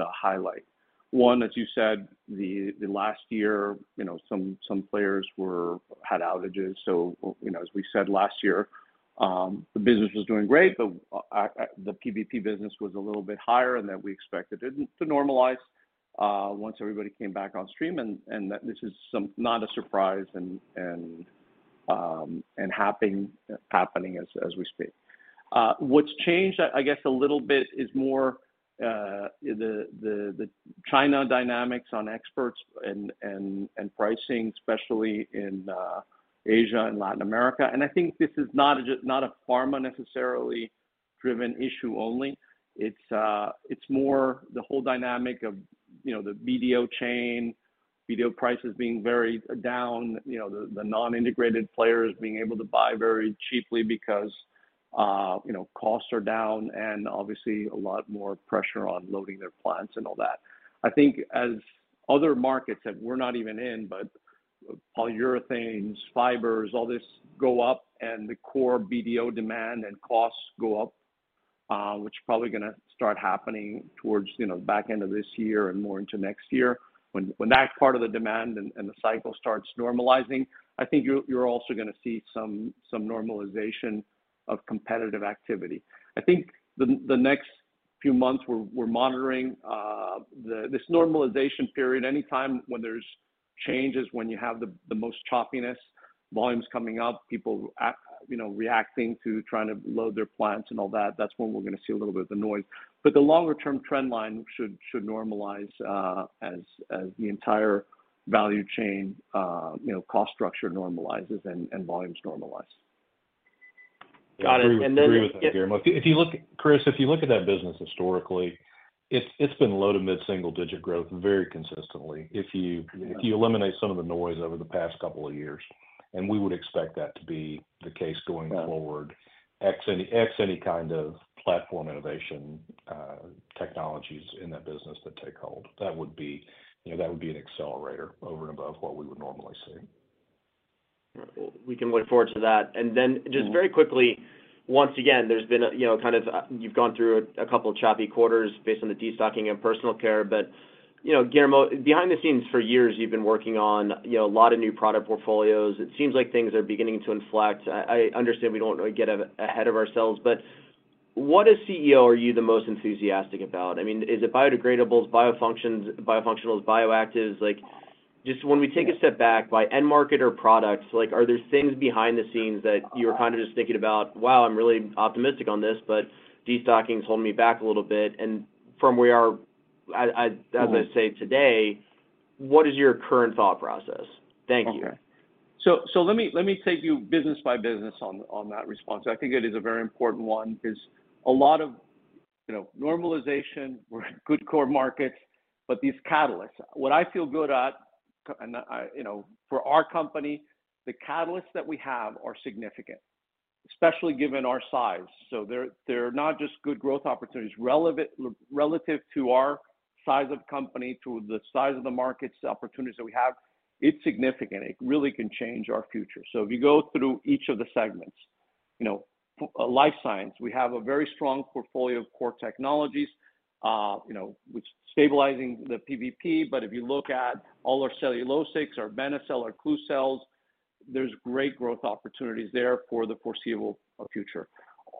highlight. One, as you said, last year, some players had outages. So as we said last year, the business was doing great, but the PVP business was a little bit higher than we expected it to normalize once everybody came back on stream. And this is not a surprise and it's happening as we speak. What's changed, I guess, a little bit is more the China dynamics on exports and pricing, especially in Asia and Latin America. And I think this is not a pharma necessarily-driven issue only. It's more the whole dynamic of the BDO chain, BDO prices being very down, the non-integrated players being able to buy very cheaply because costs are down and obviously a lot more pressure on loading their plants and all that. I think as other markets that we're not even in, but polyurethanes, fibers, all this go up and the core BDO demand and costs go up, which is probably going to start happening towards the back end of this year and more into next year. When that part of the demand and the cycle starts normalizing, I think you're also going to see some normalization of competitive activity. I think the next few months we're monitoring this normalization period. Anytime when there's changes, when you have the most choppiness, volumes coming up, people reacting to trying to load their plants and all that, that's when we're going to see a little bit of the noise. But the longer-term trend line should normalize as the entire value chain cost structure normalizes and volumes normalize. Got it. And then. I agree with that, Guillermo. Chris, if you look at that business historically, it's been low- to mid-single-digit growth very consistently if you eliminate some of the noise over the past couple of years. And we would expect that to be the case going forward, barring any kind of platform innovation technologies in that business that take hold. That would be an accelerator over and above what we would normally see. We can look forward to that. And then just very quickly, once again, there's been kind of you've gone through a couple of choppy quarters based on the destocking and Personal Care. But Guillermo, behind the scenes for years, you've been working on a lot of new product portfolios. It seems like things are beginning to inflect. I understand we don't really get ahead of ourselves, but what, as CEO, are you the most enthusiastic about? I mean, is it biodegradables, biofunctionals, bioactives? Just when we take a step back, by end market or products, are there things behind the scenes that you were kind of just thinking about, "Wow, I'm really optimistic on this, but destocking's holding me back a little bit." And from where you are, as I say today, what is your current thought process? Thank you. Okay. So let me take you business by business on that response. I think it is a very important one because a lot of normalization, we're good core markets, but these catalysts, what I feel good at, and for our company, the catalysts that we have are significant, especially given our size. So they're not just good growth opportunities. Relative to our size of company, to the size of the markets, the opportunities that we have, it's significant. It really can change our future. So if you go through each of the segments, Life Sciences, we have a very strong portfolio of core technologies. We're stabilizing the PVP, but if you look at all our cellulosics, our Benecel, our Klucel, there's great growth opportunities there for the foreseeable future.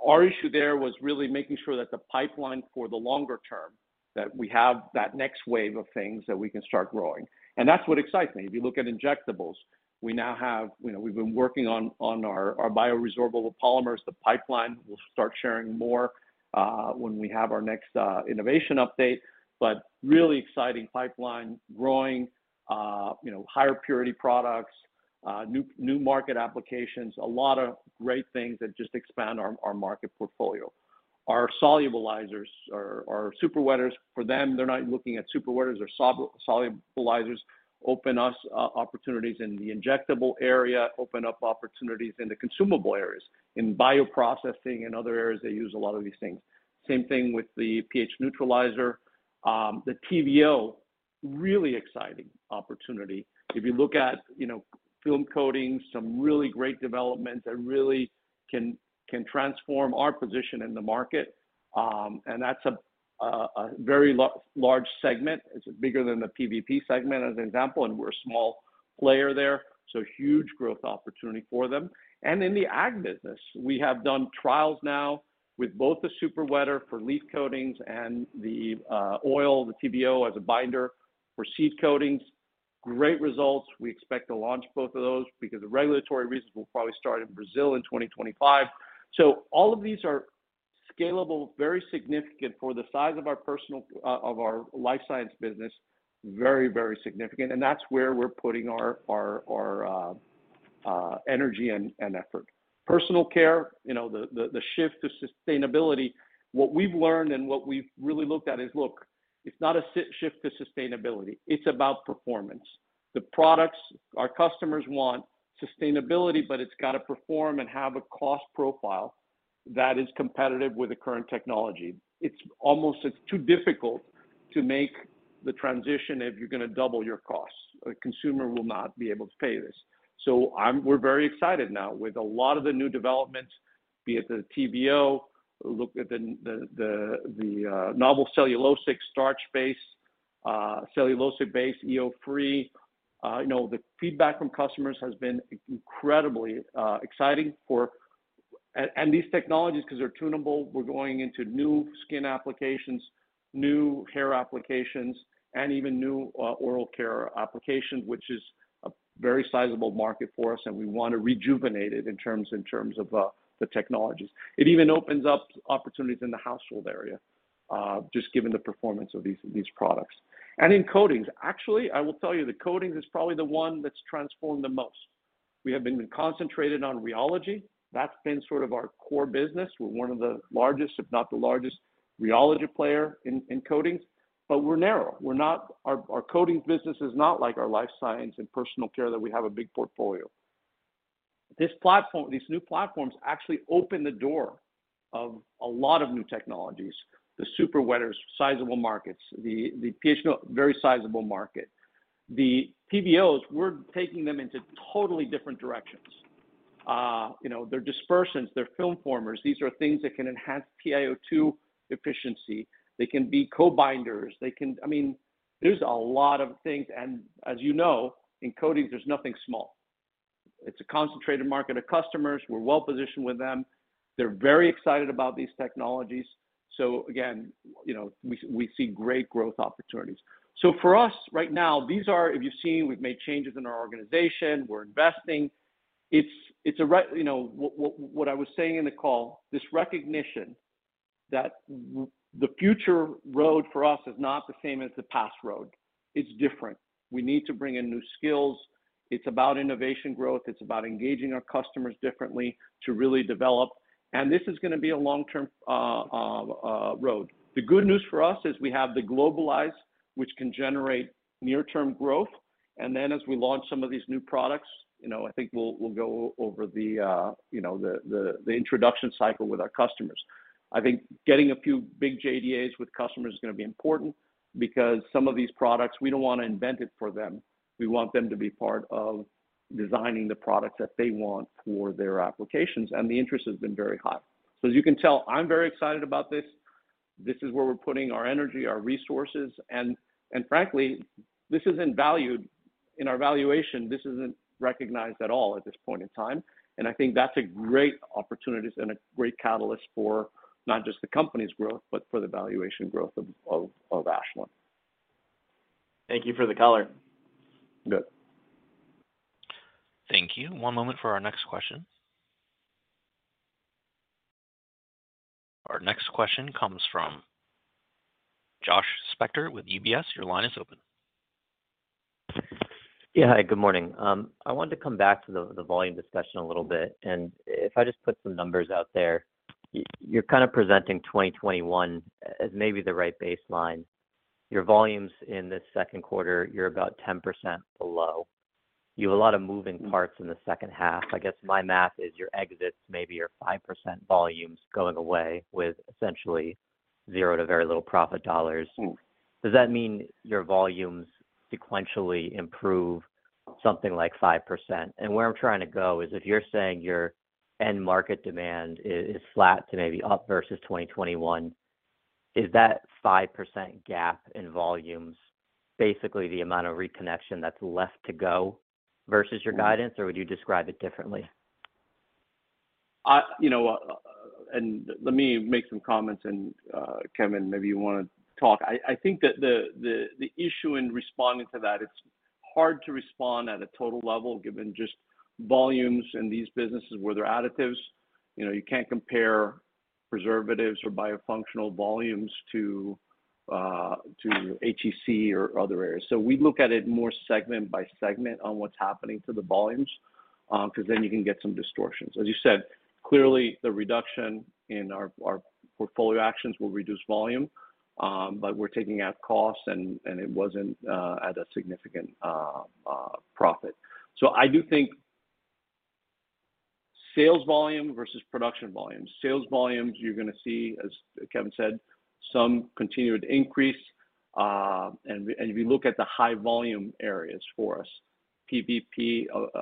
Our issue there was really making sure that the pipeline for the longer term, that we have that next wave of things that we can start growing. That's what excites me. If you look at injectables, we now have. We've been working on our bioresorbable polymers. The pipeline, we'll start sharing more when we have our next innovation update. Really exciting pipeline, growing, higher purity products, new market applications, a lot of great things that just expand our market portfolio. Our solubilizers, our super wetters—for them, they're not looking at super wetters or solubilizers—open up opportunities in the injectable area, open up opportunities in the consumable areas, in bioprocessing and other areas they use a lot of these things. Same thing with the pH neutralizer. The TVO, really exciting opportunity. If you look at film coatings, some really great developments that really can transform our position in the market. That's a very large segment. It's bigger than the PVP segment, as an example, and we're a small player there. Huge growth opportunity for them. And in the ag business, we have done trials now with both the super wetter for leaf coatings and the oil, the TVO as a binder for seed coatings. Great results. We expect to launch both of those because of regulatory reasons. We'll probably start in Brazil in 2025. All of these are scalable, very significant for the size of our personal of our life science business, very, very significant. That's where we're putting our energy and effort. Personal care, the shift to sustainability, what we've learned and what we've really looked at is, "Look, it's not a shift to sustainability. It's about performance." The products. Our customers want sustainability, but it's got to perform and have a cost profile that is competitive with the current technology. It's too difficult to make the transition if you're going to double your costs. A consumer will not be able to pay this. So we're very excited now with a lot of the new developments, be it the TVO, look at the novel cellulosic, starch-based, cellulosic-based, EO-free. The feedback from customers has been incredibly exciting for and these technologies, because they're tunable, we're going into new skin applications, new hair applications, and even new oral care applications, which is a very sizable market for us. And we want to rejuvenate it in terms of the technologies. It even opens up opportunities in the household area, just given the performance of these products. In coatings, actually, I will tell you, the coatings is probably the one that's transformed the most. We have been concentrated on rheology. That's been sort of our core business. We're one of the largest, if not the largest, rheology player in coatings. But we're narrow. Our coatings business is not like our Life Sciences and Personal Care that we have a big portfolio. These new platforms actually open the door of a lot of new technologies, the super wetters, sizable markets, the PVP very sizable market. The TVOs, we're taking them into totally different directions. They're dispersions, they're film formers. These are things that can enhance PIO2 efficiency. They can be co-binders. I mean, there's a lot of things. And as you know, in coatings, there's nothing small. It's a concentrated market of customers. We're well positioned with them. They're very excited about these technologies. So again, we see great growth opportunities. So for us right now, these are, if you've seen, we've made changes in our organization. We're investing. It's, what I was saying in the call, this recognition that the future road for us is not the same as the past road. It's different. We need to bring in new skills. It's about innovation growth. It's about engaging our customers differently to really develop. And this is going to be a long-term road. The good news for us is we have the globalized, which can generate near-term growth. And then as we launch some of these new products, I think we'll go over the introduction cycle with our customers. I think getting a few big JDAs with customers is going to be important because some of these products, we don't want to invent it for them. We want them to be part of designing the products that they want for their applications. The interest has been very high. As you can tell, I'm very excited about this. This is where we're putting our energy, our resources. Frankly, this isn't valued in our valuation. This isn't recognized at all at this point in time. I think that's a great opportunity and a great catalyst for not just the company's growth, but for the valuation growth of Ashland. Thank you for the color. Good. Thank you. One moment for our next question. Our next question comes from Josh Specter with UBS. Your line is open. Yeah. Hi. Good morning. I wanted to come back to the volume discussion a little bit. And if I just put some numbers out there, you're kind of presenting 2021 as maybe the right baseline. Your volumes in this second quarter, you're about 10% below. You have a lot of moving parts in the second half. I guess my math is your exits, maybe your 5% volumes going away with essentially zero to very little profit dollars. Does that mean your volumes sequentially improve something like 5%? And where I'm trying to go is if you're saying your end market demand is flat to maybe up versus 2021, is that 5% gap in volumes basically the amount of reconnection that's left to go versus your guidance, or would you describe it differently? Let me make some comments. Kevin, maybe you want to talk. I think that the issue in responding to that, it's hard to respond at a total level given just volumes in these businesses where they're additives. You can't compare preservatives or biofunctionals volumes to HEC or other areas. So we look at it more segment by segment on what's happening to the volumes because then you can get some distortions. As you said, clearly, the reduction in our portfolio actions will reduce volume, but we're taking out costs and it wasn't at a significant profit. So I do think sales volume versus production volumes. Sales volumes, you're going to see, as Kevin said, some continued increase. And if you look at the high volume areas for us,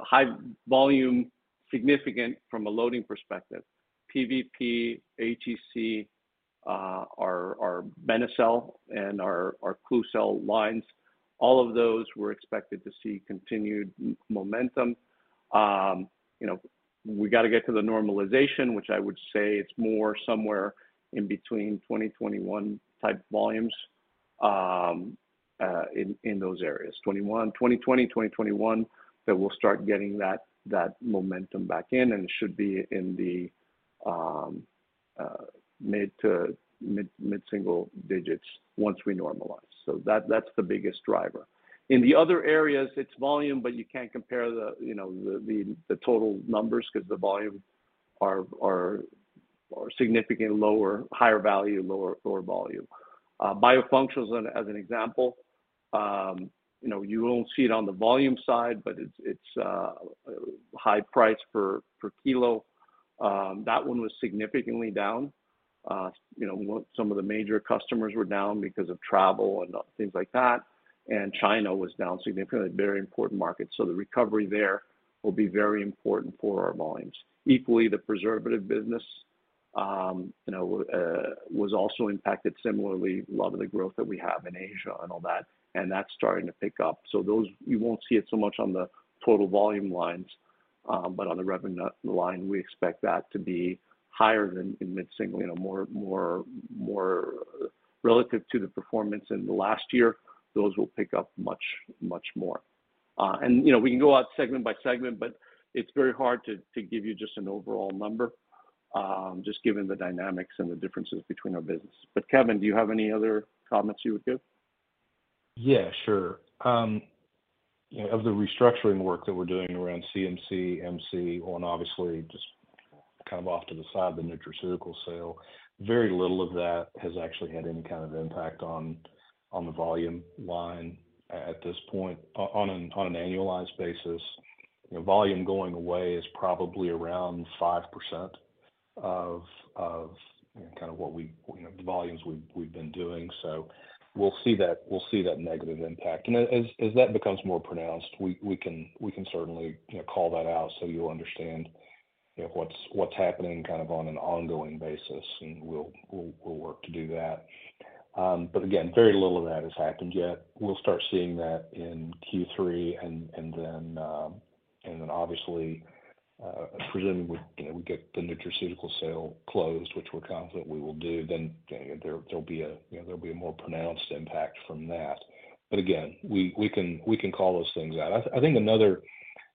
high volume significant from a loading perspective, PVP, HEC, our Benecel and our Klucel lines, all of those we're expected to see continued momentum. We got to get to the normalization, which I would say it's more somewhere in between 2021 type volumes in those areas. 2020, 2021, that we'll start getting that momentum back in. And it should be in the mid- to mid-single digits once we normalize. So that's the biggest driver. In the other areas, it's volume, but you can't compare the total numbers because the volumes are significantly lower, higher value, lower volume. Biofunctionals, as an example, you won't see it on the volume side, but it's high price per kilo. That one was significantly down. Some of the major customers were down because of travel and things like that. China was down significantly, very important markets. So the recovery there will be very important for our volumes. Equally, the preservative business was also impacted similarly, a lot of the growth that we have in Asia and all that. And that's starting to pick up. So you won't see it so much on the total volume lines, but on the revenue line, we expect that to be higher than in mid-single, more relative to the performance in the last year. Those will pick up much, much more. And we can go out segment by segment, but it's very hard to give you just an overall number, just given the dynamics and the differences between our businesses. But Kevin, do you have any other comments you would give? Yeah, sure. Of the restructuring work that we're doing around CMC, MC, and obviously just kind of off to the side, the nutraceutical sale, very little of that has actually had any kind of impact on the volume line at this point. On an annualized basis, volume going away is probably around 5% of kind of what we, the volumes we've been doing. So we'll see that negative impact. And as that becomes more pronounced, we can certainly call that out so you'll understand what's happening kind of on an ongoing basis. And we'll work to do that. But again, very little of that has happened yet. We'll start seeing that in Q3. And then obviously, presuming we get the nutraceutical sale closed, which we're confident we will do, then there'll be a more pronounced impact from that. But again, we can call those things out. I think another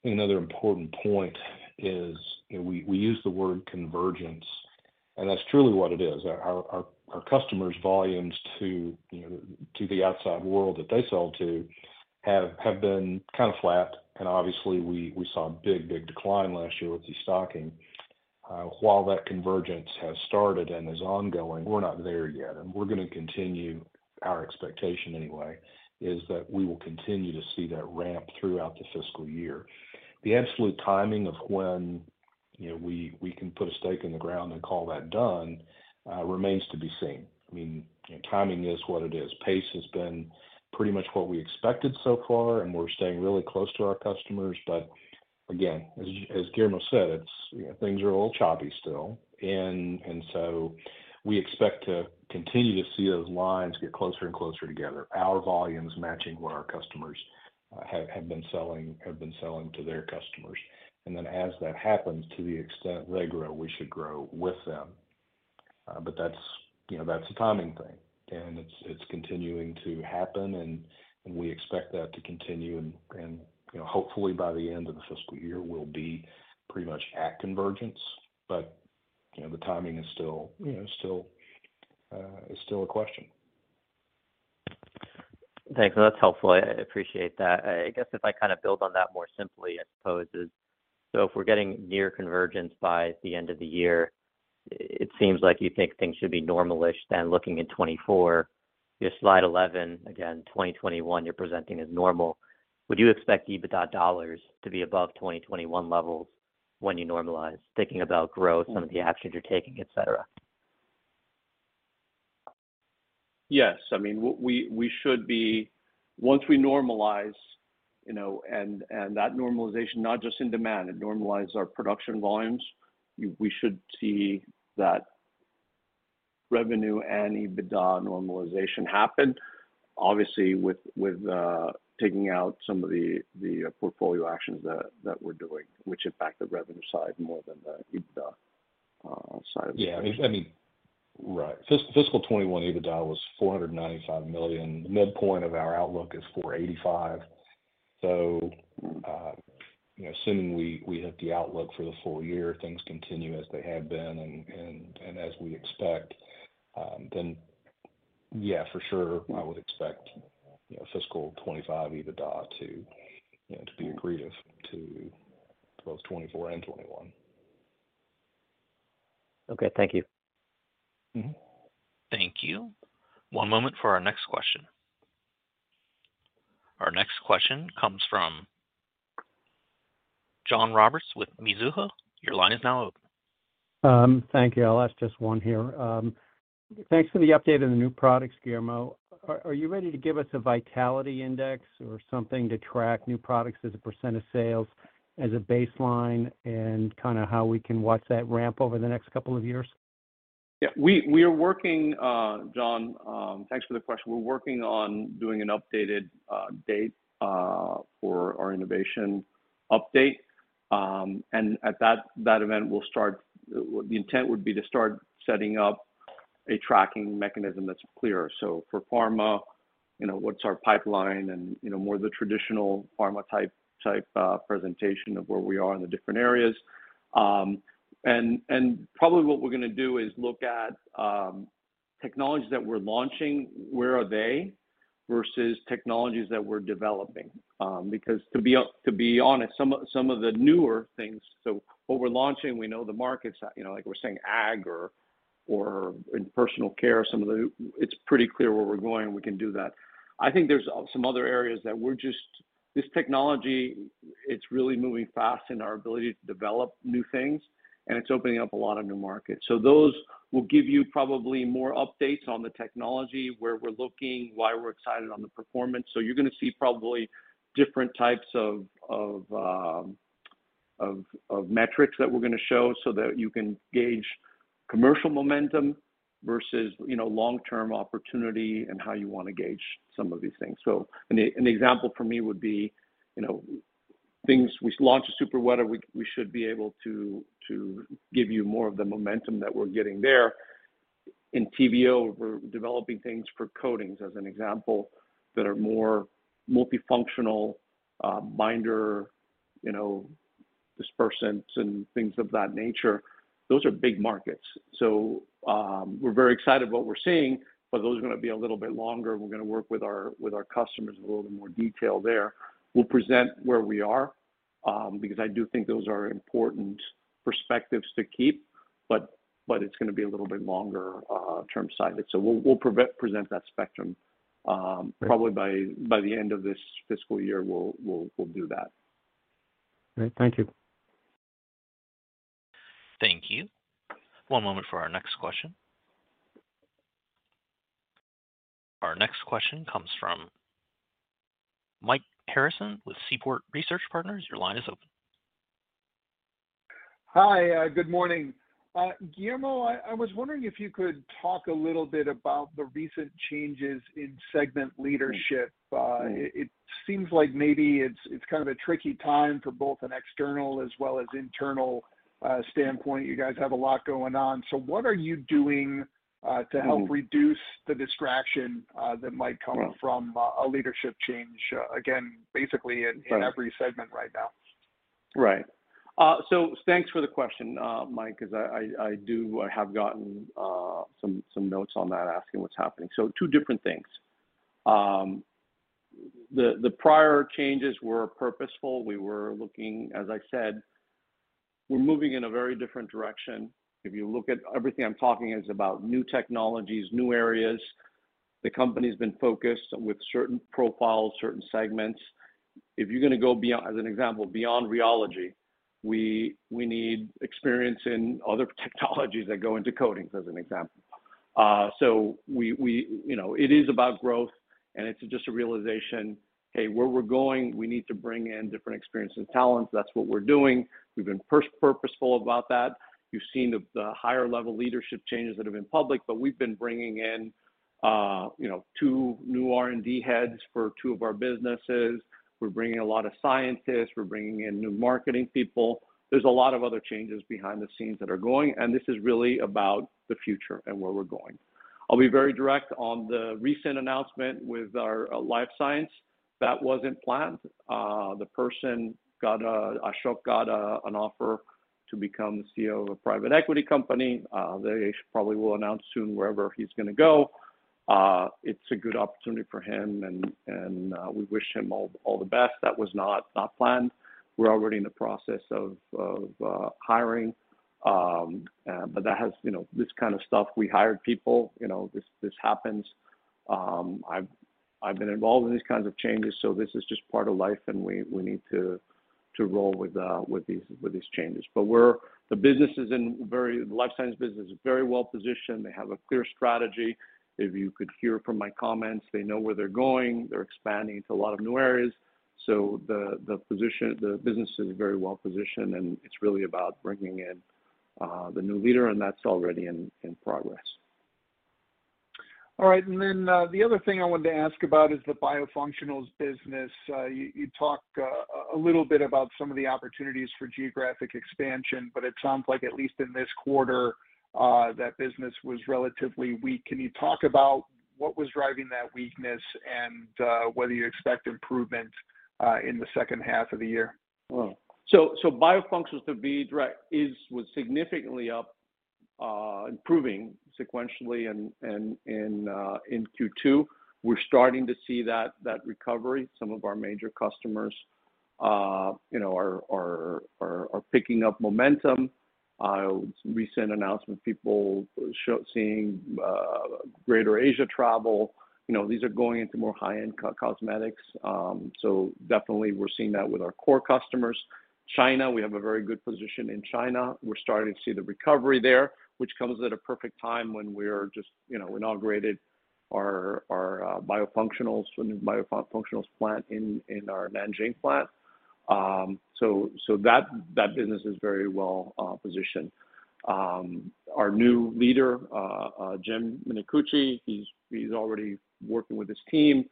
important point is we use the word convergence. That's truly what it is. Our customers' volumes to the outside world that they sell to have been kind of flat. Obviously, we saw a big, big decline last year with the stocking. While that convergence has started and is ongoing, we're not there yet. We're going to continue our expectation anyway, is that we will continue to see that ramp throughout the fiscal year. The absolute timing of when we can put a stake in the ground and call that done remains to be seen. I mean, timing is what it is. Pace has been pretty much what we expected so far. We're staying really close to our customers. But again, as Guillermo said, things are a little choppy still. And so we expect to continue to see those lines get closer and closer together, our volumes matching what our customers have been selling to their customers. And then as that happens, to the extent they grow, we should grow with them. But that's a timing thing. And it's continuing to happen. And we expect that to continue. And hopefully, by the end of the fiscal year, we'll be pretty much at convergence. But the timing is still a question. Thanks. That's helpful. I appreciate that. I guess if I kind of build on that more simply, I suppose, is so if we're getting near convergence by the end of the year, it seems like you think things should be normalish. Then looking in 2024, your slide 11, again, 2021, you're presenting as normal. Would you expect EBITDA dollars to be above 2021 levels when you normalize, thinking about growth, some of the actions you're taking, etc.? Yes. I mean, we should be once we normalize and that normalization, not just in demand, it normalizes our production volumes, we should see that revenue and EBITDA normalization happen, obviously, with taking out some of the portfolio actions that we're doing, which impact the revenue side more than the EBITDA side of the business. Yeah. I mean, right. Fiscal 2021, EBITDA was $495 million. The midpoint of our outlook is $485 million. So assuming we hit the outlook for the full year, things continue as they have been and as we expect, then yeah, for sure, I would expect fiscal 2025 EBITDA to be agreeable to both 2024 and 2021. Okay. Thank you. Thank you. One moment for our next question. Our next question comes from John Roberts with Mizuho. Your line is now open. Thank you. I'll ask just one here. Thanks for the update on the new products, Guillermo. Are you ready to give us a vitality index or something to track new products as a % of sales as a baseline and kind of how we can watch that ramp over the next couple of years? Yeah. We are working, John, thanks for the question. We're working on doing an updated date for our innovation update. And at that event, the intent would be to start setting up a tracking mechanism that's clearer. So for pharma, what's our pipeline and more the traditional pharma-type presentation of where we are in the different areas. And probably what we're going to do is look at technologies that we're launching, where are they versus technologies that we're developing. Because to be honest, some of the newer things so what we're launching, we know the markets like we're saying ag or in personal care, some of the it's pretty clear where we're going. We can do that. I think there's some other areas that we're just this technology, it's really moving fast in our ability to develop new things. And it's opening up a lot of new markets. So those will give you probably more updates on the technology, where we're looking, why we're excited on the performance. So you're going to see probably different types of metrics that we're going to show so that you can gauge commercial momentum versus long-term opportunity and how you want to gauge some of these things. So an example for me would be things we launch a super wetter, we should be able to give you more of the momentum that we're getting there. In TVO, we're developing things for coatings, as an example, that are more multifunctional binder dispersants and things of that nature. Those are big markets. So we're very excited about what we're seeing, but those are going to be a little bit longer. We're going to work with our customers with a little bit more detail there. We'll present where we are because I do think those are important perspectives to keep, but it's going to be a little bit longer term-sighted. So we'll present that spectrum. Probably by the end of this fiscal year, we'll do that. Great. Thank you. Thank you. One moment for our next question. Our next question comes from Mike Harrison with Seaport Research Partners. Your line is open. Hi. Good morning. Guillermo, I was wondering if you could talk a little bit about the recent changes in segment leadership. It seems like maybe it's kind of a tricky time for both an external as well as internal standpoint. You guys have a lot going on. So what are you doing to help reduce the distraction that might come from a leadership change, again, basically in every segment right now? Right. So thanks for the question, Mike, because I have gotten some notes on that asking what's happening. So two different things. The prior changes were purposeful. We were looking, as I said, we're moving in a very different direction. If you look at everything I'm talking is about new technologies, new areas. The company's been focused with certain profiles, certain segments. If you're going to go beyond, as an example, beyond rheology, we need experience in other technologies that go into coatings, as an example. So it is about growth. And it's just a realization, "Hey, where we're going, we need to bring in different experience and talents. That's what we're doing." We've been purposeful about that. You've seen the higher-level leadership changes that have been public, but we've been bringing in two new R&D heads for two of our businesses. We're bringing a lot of scientists. We're bringing in new marketing people. There's a lot of other changes behind the scenes that are going. This is really about the future and where we're going. I'll be very direct on the recent announcement with our Life Sciences. That wasn't planned. The person, Ashok, got an offer to become the CEO of a private equity company. They probably will announce soon wherever he's going to go. It's a good opportunity for him. We wish him all the best. That was not planned. We're already in the process of hiring. But that has this kind of stuff. We hired people. This happens. I've been involved in these kinds of changes. This is just part of life. We need to roll with these changes. But the business is in very good shape. The Life Sciences business is very well positioned. They have a clear strategy. If you could hear from my comments, they know where they're going. They're expanding into a lot of new areas. So the business is very well positioned. And it's really about bringing in the new leader. And that's already in progress. All right. And then the other thing I wanted to ask about is the Biofunctionals business. You talk a little bit about some of the opportunities for geographic expansion, but it sounds like, at least in this quarter, that business was relatively weak. Can you talk about what was driving that weakness and whether you expect improvements in the second half of the year? So, Biofunctionals, to be direct, is significantly up, improving sequentially in Q2. We're starting to see that recovery. Some of our major customers are picking up momentum. Recent announcement, people seeing greater Asia travel. These are going into more high-end cosmetics. So definitely, we're seeing that with our core customers. China, we have a very good position in China. We're starting to see the recovery there, which comes at a perfect time when we're just inaugurated our Biofunctionals plant in our Nanjing plant. So that business is very well positioned. Our new leader, Jim Minicucci, he's already working with his team.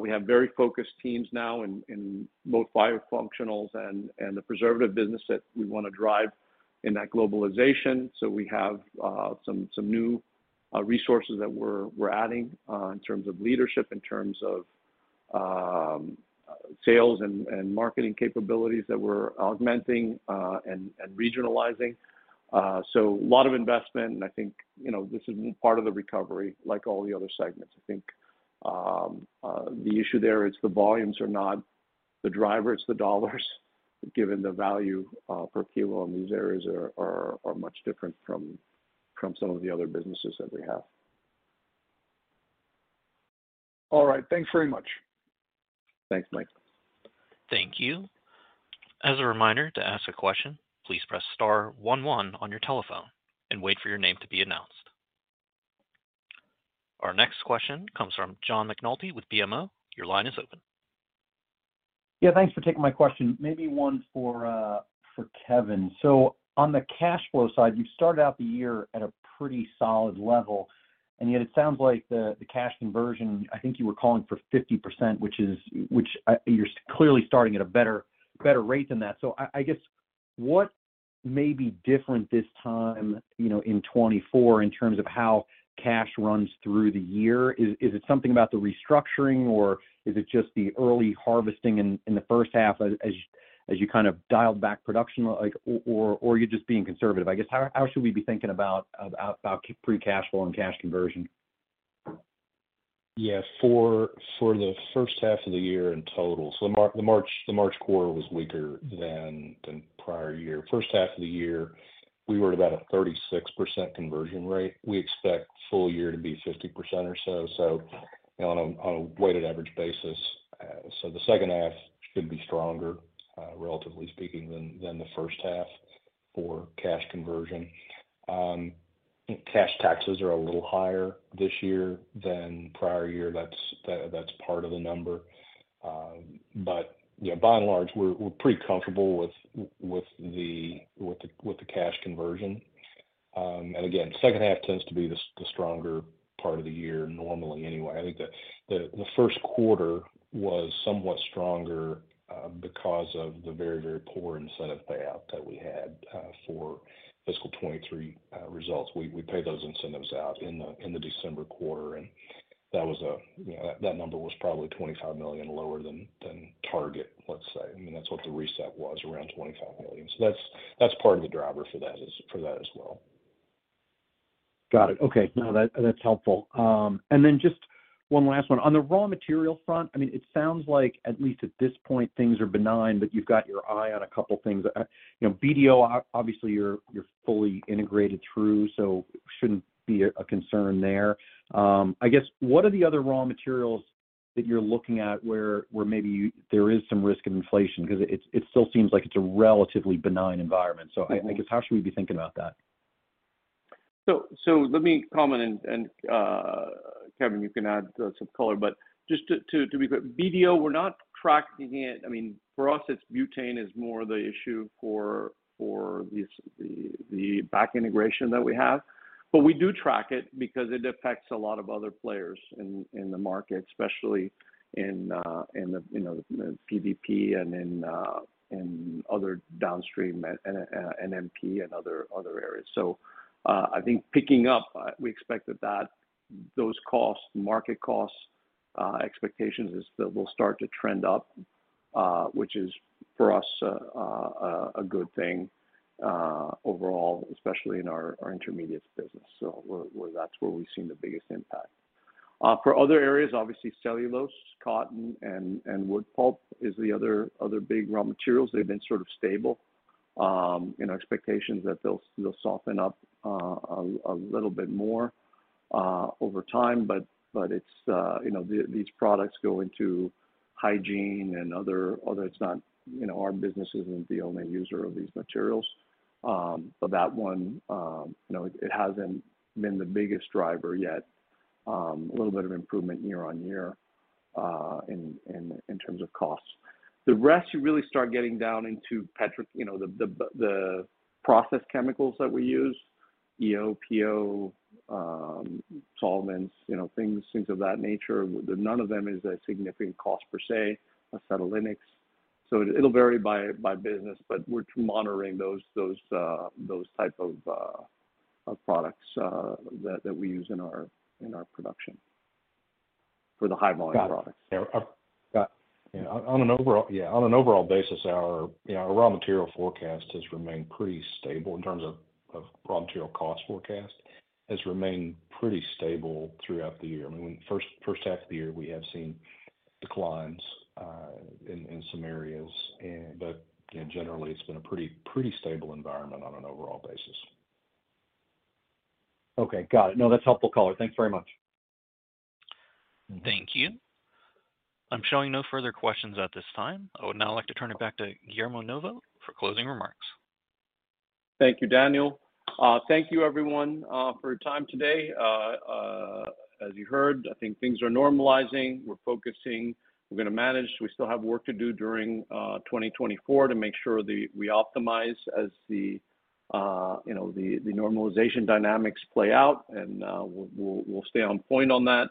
We have very focused teams now in both Biofunctionals and the Preservatives business that we want to drive in that globalization. So we have some new resources that we're adding in terms of leadership, in terms of sales and marketing capabilities that we're augmenting and regionalizing. A lot of investment. I think this is part of the recovery, like all the other segments. I think the issue there, it's the volumes are not the driver. It's the dollars, given the value per kilo. These areas are much different from some of the other businesses that we have. All right. Thanks very much. Thanks, Mike. Thank you. As a reminder to ask a question, please press star 11 on your telephone and wait for your name to be announced. Our next question comes from John McNulty with BMO. Your line is open. Yeah. Thanks for taking my question. Maybe one for Kevin. So on the cash flow side, you started out the year at a pretty solid level. And yet, it sounds like the cash conversion. I think you were calling for 50%, which you're clearly starting at a better rate than that. So I guess what may be different this time in 2024 in terms of how cash runs through the year? Is it something about the restructuring, or is it just the early harvesting in the first half as you kind of dialed back production, or are you just being conservative? I guess how should we be thinking about free cash flow and cash conversion? Yeah. For the first half of the year in total, so the March quarter was weaker than prior year. First half of the year, we were at about a 36% conversion rate. We expect full year to be 50% or so, so on a weighted average basis. So the second half should be stronger, relatively speaking, than the first half for cash conversion. Cash taxes are a little higher this year than prior year. That's part of the number. But by and large, we're pretty comfortable with the cash conversion. And again, second half tends to be the stronger part of the year normally anyway. I think the first quarter was somewhat stronger because of the very, very poor incentive payout that we had for fiscal 2023 results. We pay those incentives out in the December quarter. And that number was probably $25 million lower than target, let's say. I mean, that's what the reset was, around $25 million. So that's part of the driver for that as well. Got it. Okay. No, that's helpful. And then just one last one. On the raw material front, I mean, it sounds like, at least at this point, things are benign, but you've got your eye on a couple of things. BDO, obviously, you're fully integrated through, so shouldn't be a concern there. I guess what are the other raw materials that you're looking at where maybe there is some risk of inflation? Because it still seems like it's a relatively benign environment. So I guess how should we be thinking about that? So let me comment. And Kevin, you can add some color. But just to be quick, BDO, we're not tracking it. I mean, for us, it's butane is more the issue for the back integration that we have. But we do track it because it affects a lot of other players in the market, especially in the PVP and in other downstream NMP and other areas. So I think picking up, we expect that those costs, market costs expectations will start to trend up, which is for us a good thing overall, especially in our intermediates business. So that's where we've seen the biggest impact. For other areas, obviously, cellulose, cotton, and wood pulp is the other big raw materials. They've been sort of stable. Expectations that they'll soften up a little bit more over time. But these products go into hygiene and other. It's not our business isn't the only user of these materials. But that one, it hasn't been the biggest driver yet. A little bit of improvement year-over-year in terms of costs. The rest, you really start getting down into the process chemicals that we use, EO, PO, solvents, things of that nature. None of them is a significant cost per se, acetylenics. So it'll vary by business. But we're monitoring those types of products that we use in our production for the high-volume products. Got it. Got it. Yeah. On an overall basis, our raw material forecast has remained pretty stable in terms of raw material cost forecast has remained pretty stable throughout the year. I mean, first half of the year, we have seen declines in some areas. But generally, it's been a pretty stable environment on an overall basis. Okay. Got it. No, that's helpful, Caller. Thanks very much. Thank you. I'm showing no further questions at this time. I would now like to turn it back to Guillermo Novo for closing remarks. Thank you, Daniel. Thank you, everyone, for your time today. As you heard, I think things are normalizing. We're focusing. We're going to manage. We still have work to do during 2024 to make sure that we optimize as the normalization dynamics play out. We'll stay on point on that.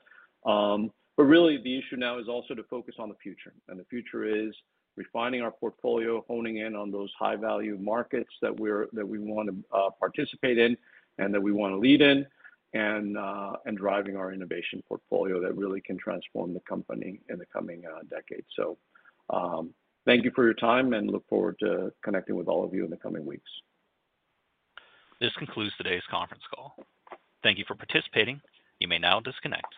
Really, the issue now is also to focus on the future. The future is refining our portfolio, honing in on those high-value markets that we want to participate in and that we want to lead in, and driving our innovation portfolio that really can transform the company in the coming decade. Thank you for your time. Look forward to connecting with all of you in the coming weeks. This concludes today's conference call. Thank you for participating. You may now disconnect.